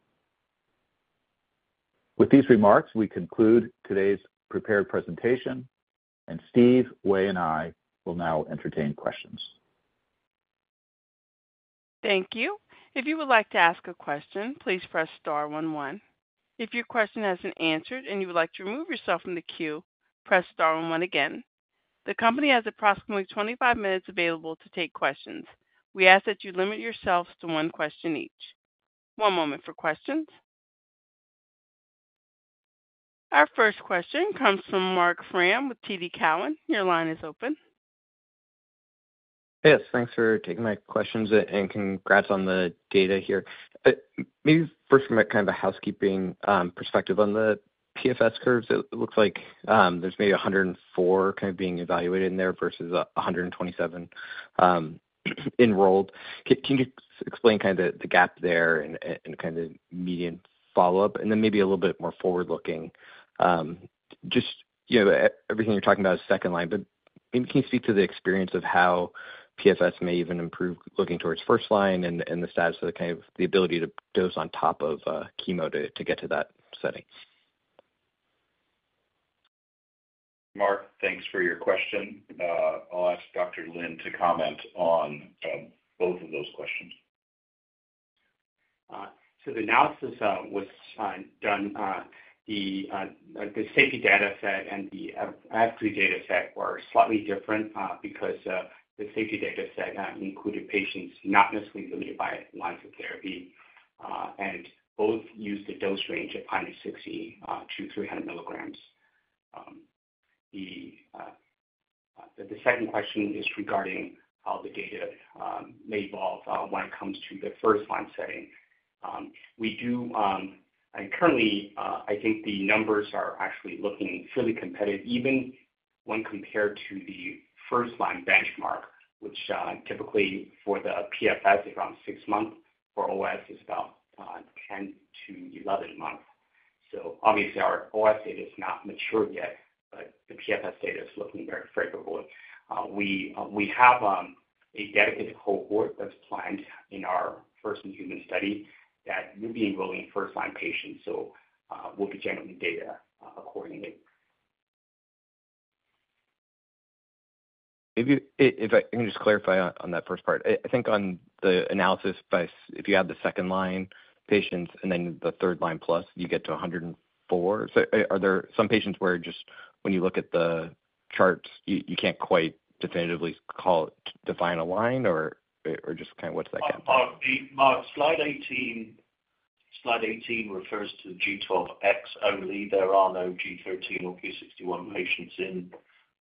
With these remarks, we conclude today's prepared presentation, and Steve, Wei, and I will now entertain questions. Thank you. If you would like to ask a question, please press star one, one. If your question hasn't answered and you would like to remove yourself from the queue, press star one one again. The company has approximately 25 minutes available to take questions. We ask that you limit yourselves to one question each. One moment for questions. Our first question comes from Marc Frahm with TD Cowen. Your line is open. Yes, thanks for taking my questions, and congrats on the data here. Maybe first from a kind of a housekeeping perspective on the PFS curves. It looks like there's maybe 104 kind of being evaluated in there versus a 127 enrolled. Can you explain kind of the gap there and kind of median follow-up? And then maybe a little bit more forward-looking, just, you know, everything you're talking about is second line, but maybe can you speak to the experience of how PFS may even improve looking towards first line and the status of the kind of the ability to dose on top of chemo to get to that setting? Mark, thanks for your question. I'll ask Dr. Lin to comment on both of those questions. So the analysis was done, the safety data set and the F3 data set were slightly different, because the safety data set included patients not necessarily limited by lines of therapy, and both used a dose range of 160 mg-300 mg. The second question is regarding how the data may evolve when it comes to the first-line setting. We do, and currently, I think the numbers are actually looking fairly competitive, even when compared to the first line benchmark, which typically for the PFS is around six months, for OS is about 10 months-11 months. So obviously, our OS data is not mature yet, but the PFS data is looking very favorable. We have a dedicated cohort that's planned in our first human study that will be enrolling first-line patients, so we'll be generating data accordingly. Maybe if I can just clarify on that first part. I think on the analysis by, if you add the second-line patients and then the third-line plus, you get to 104. So, are there some patients where just when you look at the charts, you can't quite definitively call it, define a line, or just kind of what's that gap? Mark, slide 18 refers to G12X only. There are no G13 or Q61 patients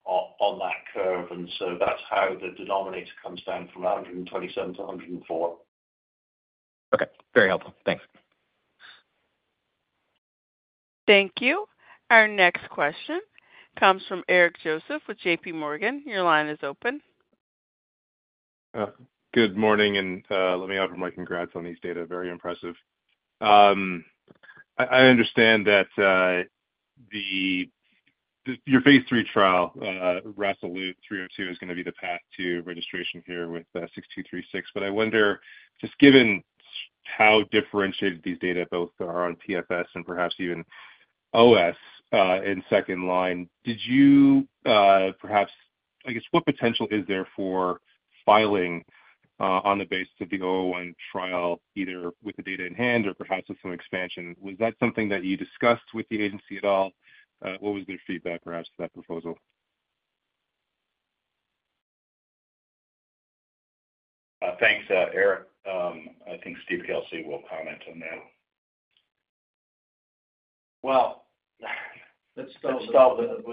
on that curve, and so that's how the denominator comes down from 127 to 104. Okay. Very helpful. Thanks. Thank you. Our next question comes from Eric Joseph with J.P. Morgan. Your line is open. Good morning, and let me offer my congrats on these data. Very impressive. I understand that your phase III trial, RASolute 302, is going to be the path to registration here with 6236. But I wonder, just given how differentiated these data both are on PFS and perhaps even OS, in second-line, did you perhaps, I guess, what potential is there for filing on the basis of the 001 trial, either with the data in hand or perhaps with some expansion? Was that something that you discussed with the agency at all? What was their feedback, perhaps, to that proposal? Thanks, Eric. I think Steve Kelsey will comment on that. Well, let's start with the—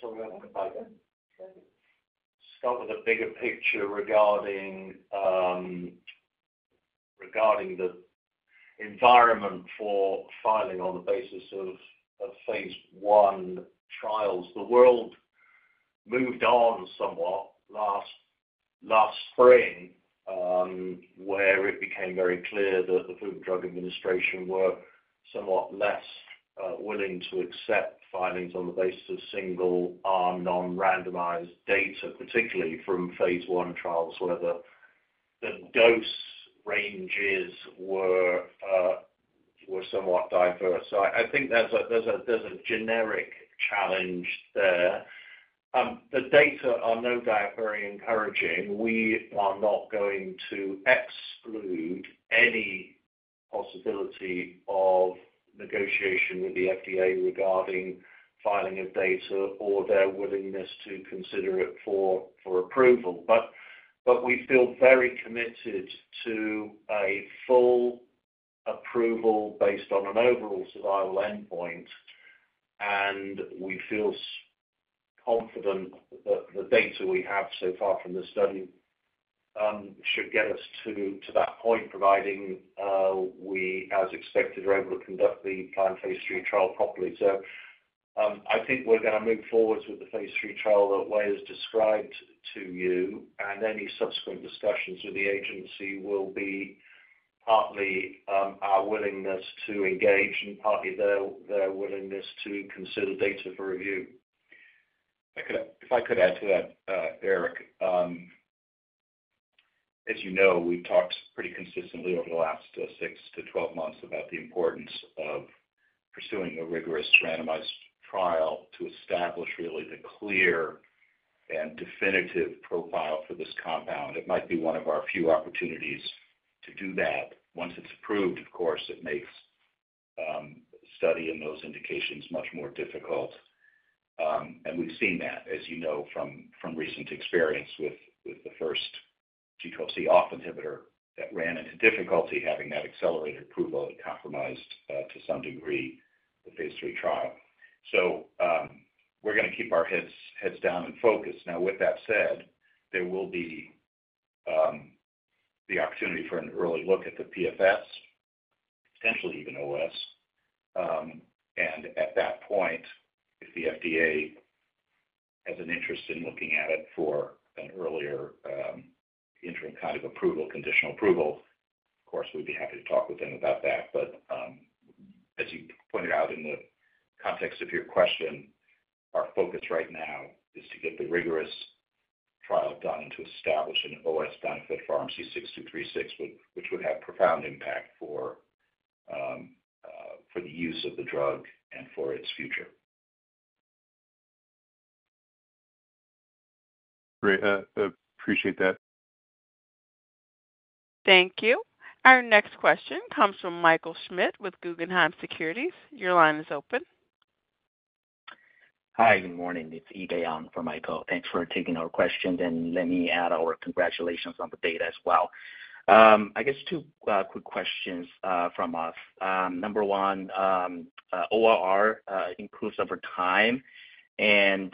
Sorry, I want to start with a bigger picture regarding the environment for filing on the basis of phase I trials. The world moved on somewhat last spring, where it became very clear that the Food and Drug Administration were somewhat less willing to accept filings on the basis of single-arm non-randomized data, particularly from phase I trials, where the dose ranges were somewhat diverse. So I think there's a generic challenge there. The data are no doubt very encouraging. We are not going to exclude any possibility of negotiation with the FDA regarding filing of data or their willingness to consider it for approval. But we feel very committed to a full approval based on an overall survival endpoint, and we feel confident that the data we have so far from the study should get us to that point, providing we, as expected, are able to conduct the planned phase III trial properly. So, I think we're going to move forward with the phase III trial the way it was described to you, and any subsequent discussions with the agency will be partly our willingness to engage and partly their willingness to consider data for review. If I could add to that, Eric. As you know, we've talked pretty consistently over the last 6 months-12 months about the importance of pursuing a rigorous randomized trial to establish really the clear and definitive profile for this compound. It might be one of our few opportunities to do that. Once it's approved, of course, it makes study in those indications much more difficult. And we've seen that, as you know, from recent experience with the first G12C inhibitor that ran into difficulty having that accelerated approval, it compromised, to some degree, the phase III trial. So, we're going to keep our heads down and focused. Now, with that said, there will be the opportunity for an early look at the PFS, potentially even OS. And at that point, if the FDA has an interest in looking at it for an earlier, interim kind of approval, conditional approval, of course, we'd be happy to talk with them about that. But, as you pointed out in the context of your question, our focus right now is to get the rigorous trial done and to establish an OS benefit for RMC-6236, which would have profound impact for the use of the drug and for its future. Great. Appreciate that. Thank you. Our next question comes from Michael Schmidt with Guggenheim Securities. Your line is open. Hi, good morning. It's Yige on for Michael. Thanks for taking our questions, and let me add our congratulations on the data as well. I guess two quick questions from us. Number one, ORR improves over time, and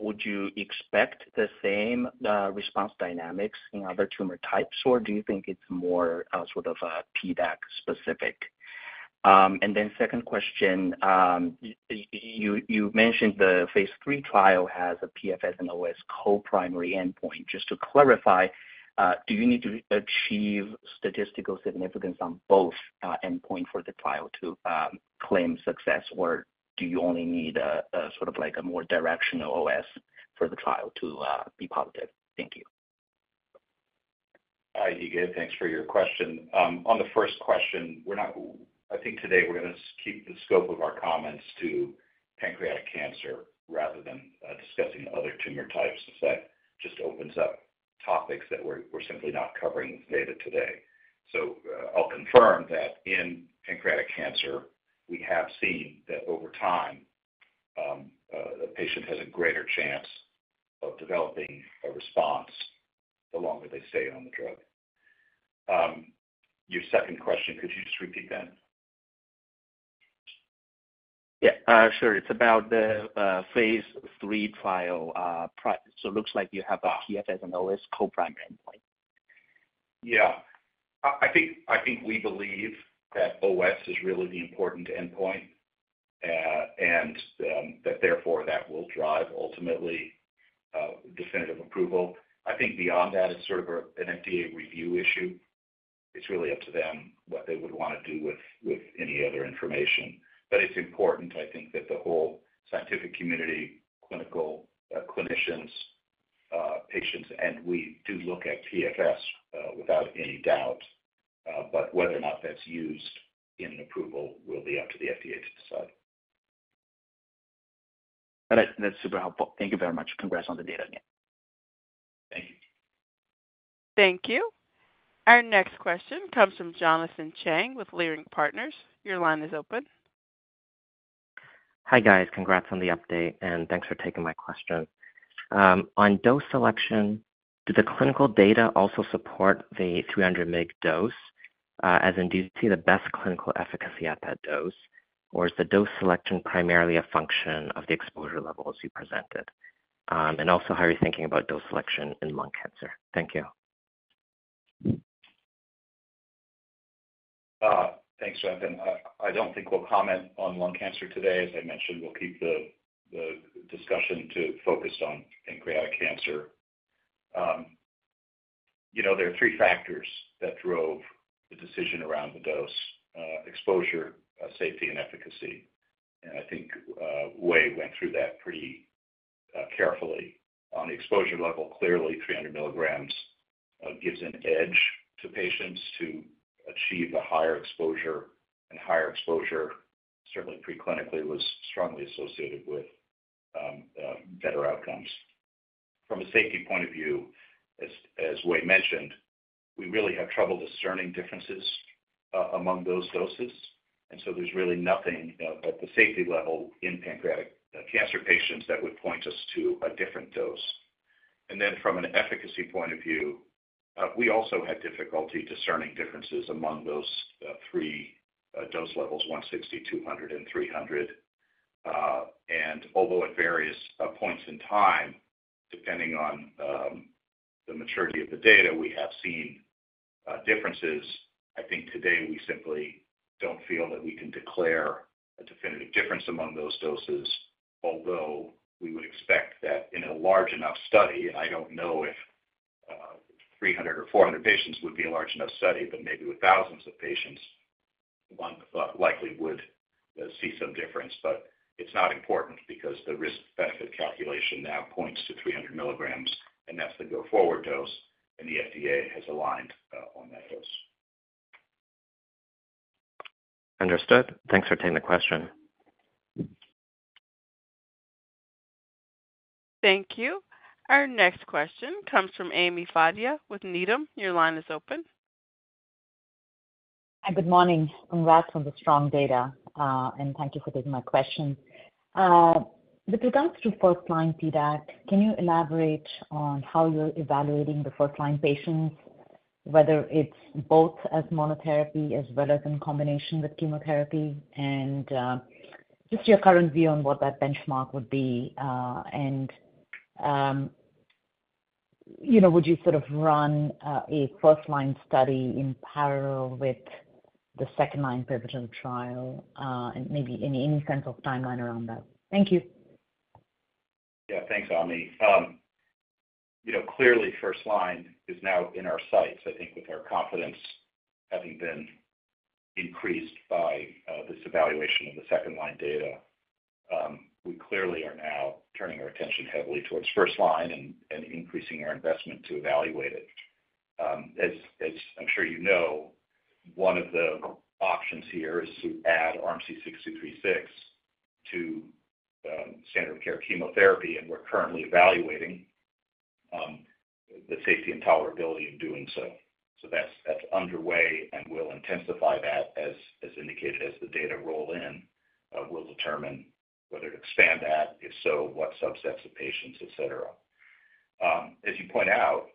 would you expect the same response dynamics in other tumor types, or do you think it's more sort of PDAC specific? And then second question, you mentioned the phase III trial has a PFS and OS co-primary endpoint. Just to clarify, do you need to achieve statistical significance on both endpoint for the trial to claim success, or do you only need a sort of like a more directional OS for the trial to be positive? Thank you. Hi, Yige. Thanks for your question. On the first question, we're not—I think today we're going to keep the scope of our comments to pancreatic cancer rather than discussing other tumor types, as that just opens up topics that we're simply not covering with data today. So, I'll confirm that in pancreatic cancer, we have seen that over time a patient has a greater chance of developing a response the longer they stay on the drug. Your second question, could you just repeat that? Yeah, sure. It's about the phase III trial. So looks like you have a PFS and OS co-primary endpoint. Yeah. I think we believe that OS is really the important endpoint, and that therefore that will drive ultimately definitive approval. I think beyond that, it's sort of an FDA review issue. It's really up to them what they would want to do with any other information. But it's important, I think, that the whole scientific community, clinicians, patients, and we do look at PFS without any doubt, but whether or not that's used in an approval will be up to the FDA to decide. All right. That's super helpful. Thank you very much. Congrats on the data again. Thank you. Thank you. Our next question comes from Jonathan Chang with Leerink Partners. Your line is open. Hi, guys. Congrats on the update, and thanks for taking my question. On dose selection, do the clinical data also support the 300 mg dose, as in, do you see the best clinical efficacy at that dose? Or is the dose selection primarily a function of the exposure levels you presented? And also, how are you thinking about dose selection in lung cancer? Thank you. Thanks, Jonathan. I don't think we'll comment on lung cancer today. As I mentioned, we'll keep the discussion to focus on pancreatic cancer. You know, there are three factors that drove the decision around the dose, exposure, safety, and efficacy. And I think, Wei went through that pretty carefully. On the exposure level, clearly, 300 mg gives an edge to patients to achieve a higher exposure, and higher exposure, certainly pre-clinically, was strongly associated with better outcomes. From a safety point of view, as Wei mentioned, we really have trouble discerning differences among those doses, and so there's really nothing at the safety level in pancreatic cancer patients that would point us to a different dose. And then from an efficacy point of view, we also had difficulty discerning differences among those three dose levels, 160 mg, 200 mg, and 300 mg. And although at various points in time, depending on the maturity of the data, we have seen differences, I think today we simply don't feel that we can declare a definitive difference among those doses, although we would expect that in a large enough study, I don't know if 300 or 400 patients would be a large enough study, but maybe with thousands of patients, one likely would see some difference. But it's not important because the risk-benefit calculation now points to 300 mg, and that's the go-forward dose, and the FDA has aligned on that dose. Understood. Thanks for taking the question. Thank you. Our next question comes from Ami Fadia with Needham. Your line is open. Hi, good morning. Congrats on the strong data, and thank you for taking my question. With regards to first-line PDAC, can you elaborate on how you're evaluating the first-line patients, whether it's both as monotherapy as well as in combination with chemotherapy? And, just your current view on what that benchmark would be. And, you know, would you sort of run a first-line study in parallel with the second-line pivotal trial, and maybe any sense of timeline around that? Thank you. Yeah. Thanks, Ami. You know, clearly first line is now in our sights. I think with our confidence having been increased by this evaluation of the second line data, we clearly are now turning our attention heavily towards first line and increasing our investment to evaluate it. As I'm sure you know, one of the options here is to add RMC-6236 to standard of care chemotherapy, and we're currently evaluating the safety and tolerability of doing so. So that's underway, and we'll intensify that as indicated, as the data roll in, we'll determine whether to expand that, if so, what subsets of patients, et cetera. As you point out,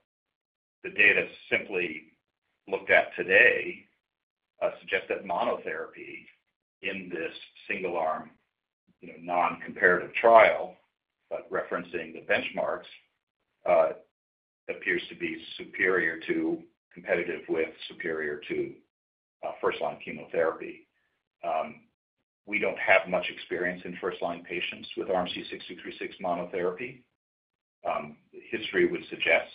the data simply looked at today suggest that monotherapy in this single-arm, you know, non-comparative trial, but referencing the benchmarks, appears to be superior to, competitive with, superior to, first-line chemotherapy. We don't have much experience in first-line patients with RMC-6236 monotherapy. History would suggest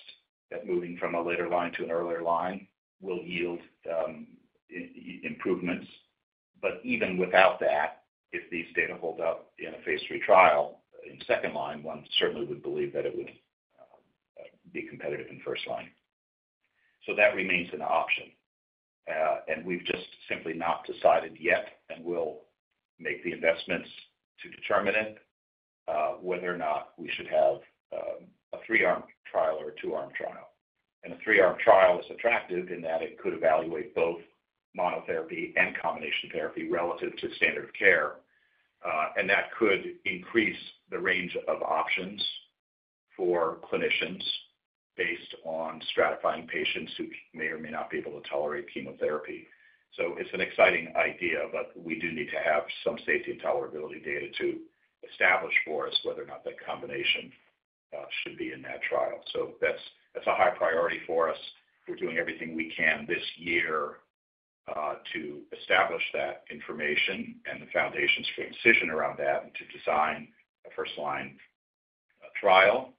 that moving from a later line to an earlier line will yield improvements. But even without that, if these data hold up in a phase III trial in second line, one certainly would believe that it would be competitive in first line. So that remains an option, and we've just simply not decided yet, and we'll make the investments to determine it, whether or not we should have a three-arm trial or a two-arm trial. A three-arm trial is attractive in that it could evaluate both monotherapy and combination therapy relative to standard of care, and that could increase the range of options for clinicians based on stratifying patients who may or may not be able to tolerate chemotherapy. It's an exciting idea, but we do need to have some safety and tolerability data to establish for us whether or not that combination should be in that trial. That's, that's a high priority for us. We're doing everything we can this year to establish that information and the foundations for a decision around that and to design a first-line trial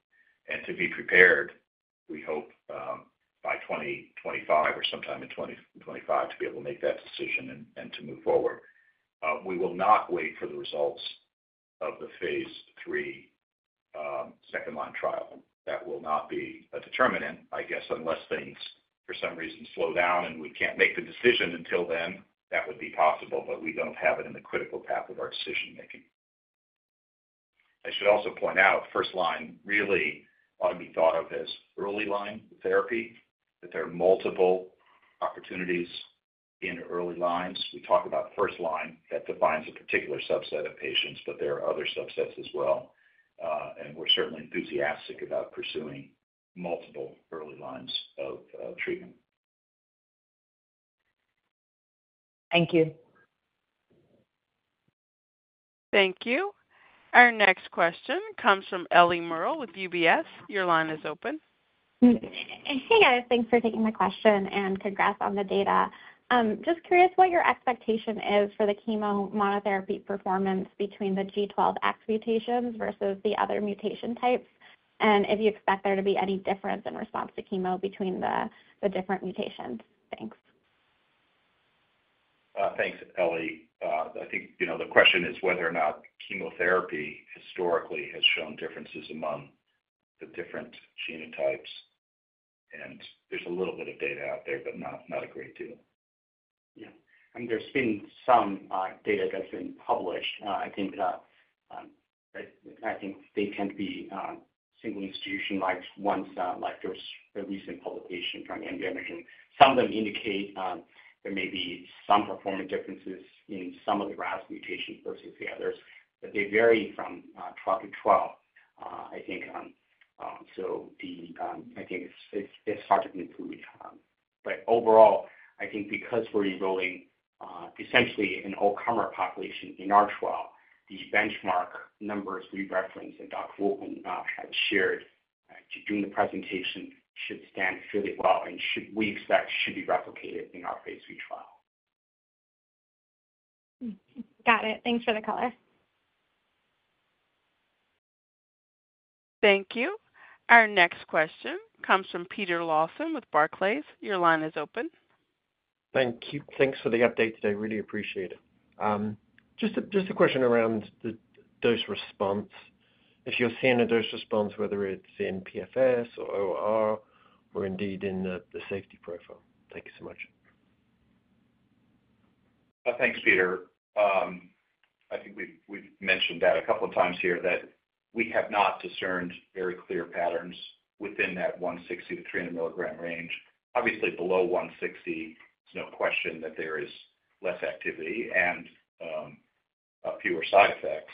and to be prepared, we hope, by 2025 or sometime in 2025, to be able to make that decision and, and to move forward. We will not wait for the results of the Phase III, second-line trial. That will not be a determinant, I guess, unless things, for some reason, slow down and we can't make the decision until then, that would be possible, but we don't have it in the critical path of our decision-making. I should also point out, first line really ought to be thought of as early line therapy, that there are multiple opportunities in early lines. We talk about first line, that defines a particular subset of patients, but there are other subsets as well. And we're certainly enthusiastic about pursuing multiple early lines of, treatment. Thank you. Thank you. Our next question comes from Ellie Merle with UBS. Your line is open. Hey, guys. Thanks for taking my question, and congrats on the data. Just curious what your expectation is for the chemo monotherapy performance between the G12X mutations versus the other mutation types, and if you expect there to be any difference in response to chemo between the different mutations? Thanks. Thanks, Ellie. I think, you know, the question is whether or not chemotherapy historically has shown differences among the different genotypes, and there's a little bit of data out there, but not a great deal. Yeah, and there's been some data that's been published. I think they tend to be single institution like ones, like there's a recent publication from MD Anderson. Some of them indicate there may be some performance differences in some of the RAS mutations versus the others, but they vary from trial to trial. I think it's hard to conclude. But overall, I think because we're enrolling essentially an all-comer population in our trial, the benchmark numbers we referenced and Dr. Wolpin had shared during the presentation should stand fairly well and we expect should be replicated in our phase III trial. Got it. Thanks for the color. Thank you. Our next question comes from Peter Lawson with Barclays. Your line is open. Thank you. Thanks for the update today. Really appreciate it. Just a question around the dose response. If you're seeing a dose response, whether it's in PFS or OR, or indeed in the safety profile. Thank you so much. Thanks, Peter. I think we've mentioned that a couple of times here, that we have not discerned very clear patterns within that 160 mg-300 mg range. Obviously, below 160 mg, there's no question that there is less activity and fewer side effects.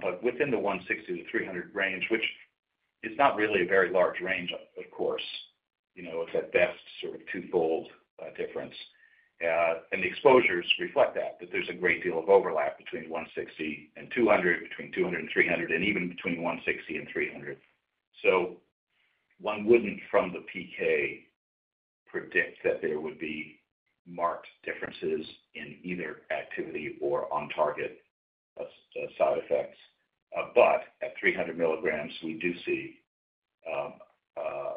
But within the 160 mg-300 mg range, which is not really a very large range, of course, you know, it's at best sort of twofold difference. And the exposures reflect that there's a great deal of overlap between 160 mg and 200 mg, between 200 mg and 300 mg, and even between 160 mg and 300 mg. So one wouldn't, from the PK, predict that there would be marked differences in either activity or on target as to side effects. But at 300 mg, we do see a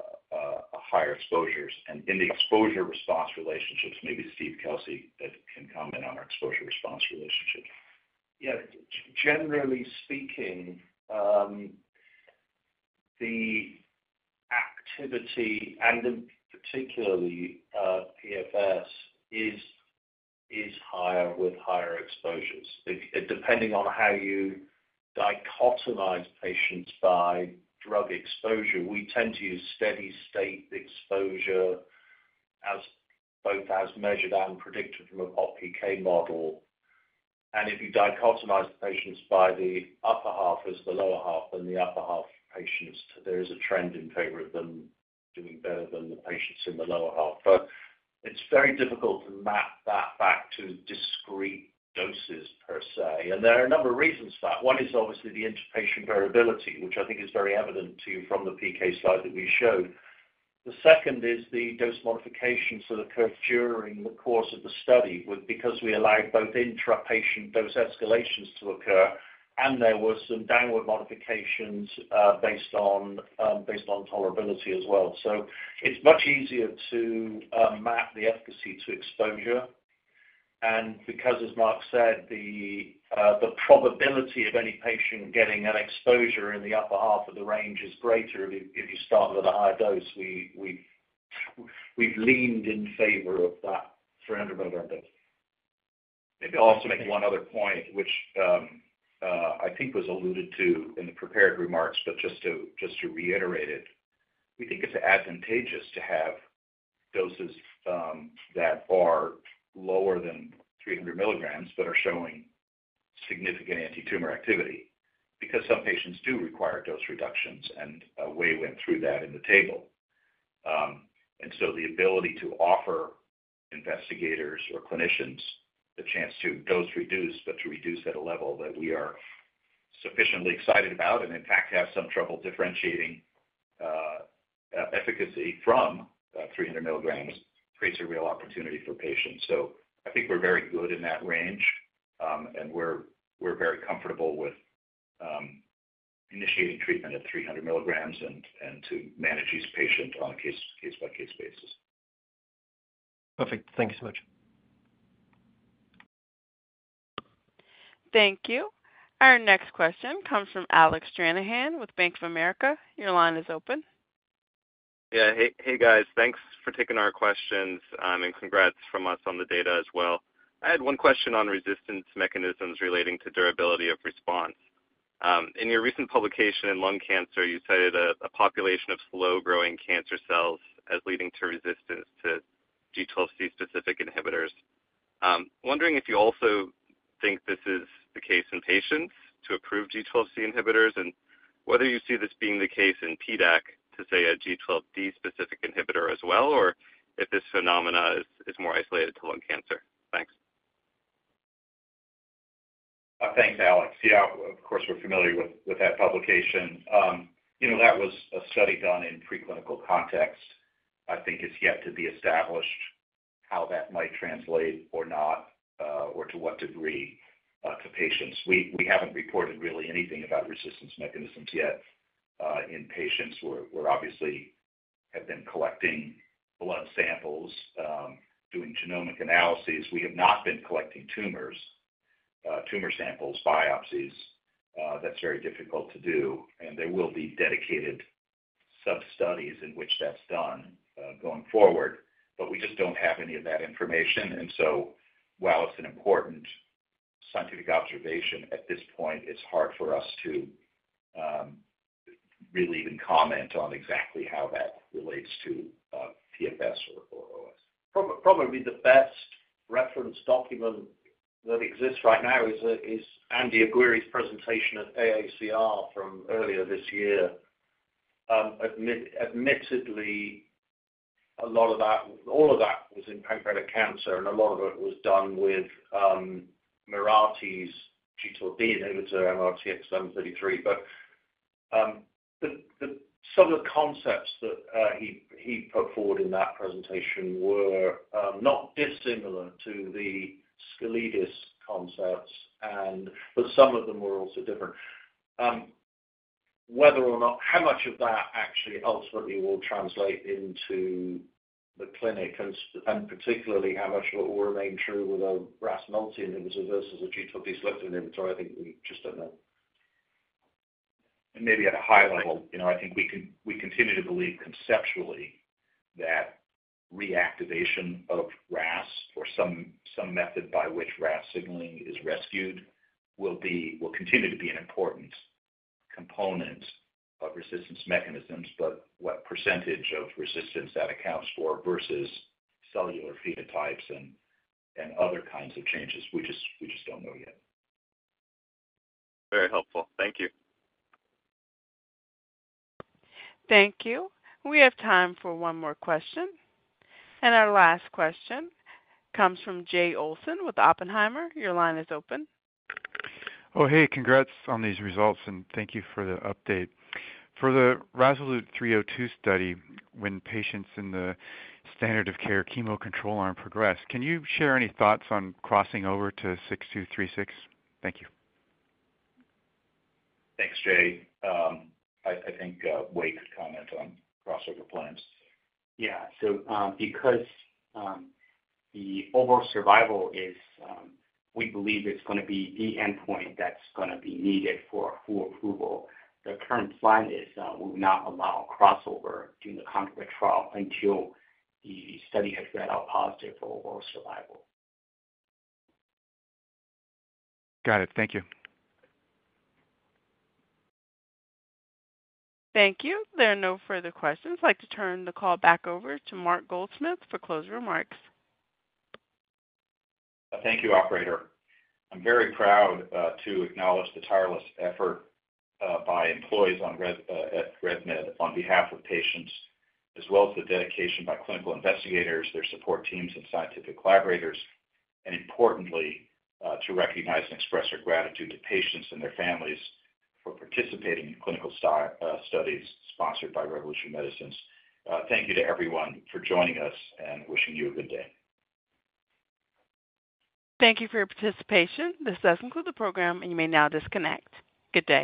higher exposures. In the exposure-response relationships, maybe Steve Kelsey can comment on our exposure-response relationship. Yeah. Generally speaking, the activity, and in particular, PFS, is higher with higher exposures. It, depending on how you dichotomize patients by drug exposure, we tend to use steady state exposure as both as measured and predicted from a pop PK model. And if you dichotomize the patients by the upper half as the lower half, then the upper half patients, there is a trend in favor of them doing better than the patients in the lower half. But it's very difficult to map that back to discrete doses per se, and there are a number of reasons for that. One is obviously the interpatient variability, which I think is very evident to you from the PK slide that we showed. The second is the dose modifications that occurred during the course of the study, with, because we allowed both intra-patient dose escalations to occur, and there were some downward modifications, based on, based on tolerability as well. So it's much easier to, map the efficacy to exposure, and because, as Mark said, the, the probability of any patient getting an exposure in the upper half of the range is greater if you start with a higher dose, we've leaned in favor of that 300 mg dose. Maybe I'll also make one other point, which, I think was alluded to in the prepared remarks, but just to, just to reiterate it. We think it's advantageous to have doses that are lower than 300 mg but are showing significant antitumor activity, because some patients do require dose reductions, and we went through that in the table. And so the ability to offer investigators or clinicians the chance to dose reduce, but to reduce at a level that we are sufficiently excited about, and in fact, have some trouble differentiating efficacy from 300 mg, creates a real opportunity for patients. So I think we're very good in that range. And we're very comfortable with initiating treatment at 300 mg and to manage each patient on a case, case-by-case basis. Perfect. Thank you so much. Thank you. Our next question comes from Alec Stranahan with Bank of America. Your line is open. Yeah. Hey, hey, guys. Thanks for taking our questions, and congrats from us on the data as well. I had one question on resistance mechanisms relating to durability of response. In your recent publication in lung cancer, you cited a population of slow-growing cancer cells as leading to resistance to G12C-specific inhibitors. Wondering if you also think this is the case in patients to approve G12C inhibitors, and whether you see this being the case in PDAC to, say, a G12D-specific inhibitor as well, or if this phenomena is more isolated to lung cancer? Thanks. Thanks, Alex. Yeah, of course, we're familiar with that publication. You know, that was a study done in preclinical context. I think it's yet to be established how that might translate or not, or to what degree, to patients. We haven't reported really anything about resistance mechanisms yet, in patients, where we're obviously have been collecting blood samples, doing genomic analyses. We have not been collecting tumors, tumor samples, biopsies. That's very difficult to do, and there will be dedicated sub-studies in which that's done, going forward, but we just don't have any of that information. And so while it's an important scientific observation, at this point, it's hard for us to really even comment on exactly how that relates to PFS or OS. Probably the best reference document that exists right now is Andy Aguirre's presentation at AACR from earlier this year. Admittedly, a lot of that all of that was in pancreatic cancer, and a lot of it was done with Mirati's G12D inhibitor, MRTX1133. But some of the concepts that he put forward in that presentation were not dissimilar to the cetuximab concepts and ..But some of them were also different. Whether or not how much of that actually ultimately will translate into the clinic, and particularly how much of it will remain true with a RAS multi inhibitor versus a G12D selective inhibitor, I think we just don't know. Maybe at a high level, you know,I think we can, we continue to believe conceptually that reactivation of RAS or some, some method by which RAS signaling is rescued, will be, will continue to be an important component of resistance mechanisms, but what percentage of resistance that accounts for versus cellular phenotypes and, and other kinds of changes, we just, we just don't know yet. Very helpful. Thank you. Thank you. We have time for one more question, and our last question comes from Jay Olson with Oppenheimer. Your line is open. Oh, hey, congrats on these results, and thank you for the update. For the RASolute 302 study, when patients in the standard of care chemo control arm progress, can you share any thoughts on crossing over to RMC-6236? Thank you. Thanks, Jay. I think Wei could comment on crossover plans. Yeah. So, because the overall survival is, we believe, it's gonna be the endpoint that's gonna be needed for full approval, the current plan is we will not allow crossover during the clinical trial until the study has read out positive for overall survival. Got it. Thank you. Thank you. There are no further questions. I'd like to turn the call back over to Mark Goldsmith for closing remarks. Thank you, operator. I'm very proud to acknowledge the tireless effort by employees at Revolution Medicines on behalf of patients, as well as the dedication by clinical investigators, their support teams and scientific collaborators, and importantly, to recognize and express our gratitude to patients and their families for participating in clinical studies sponsored by Revolution Medicines. Thank you to everyone for joining us, and wishing you a good day. Thank you for your participation. This does conclude the program, and you may now disconnect. Good day.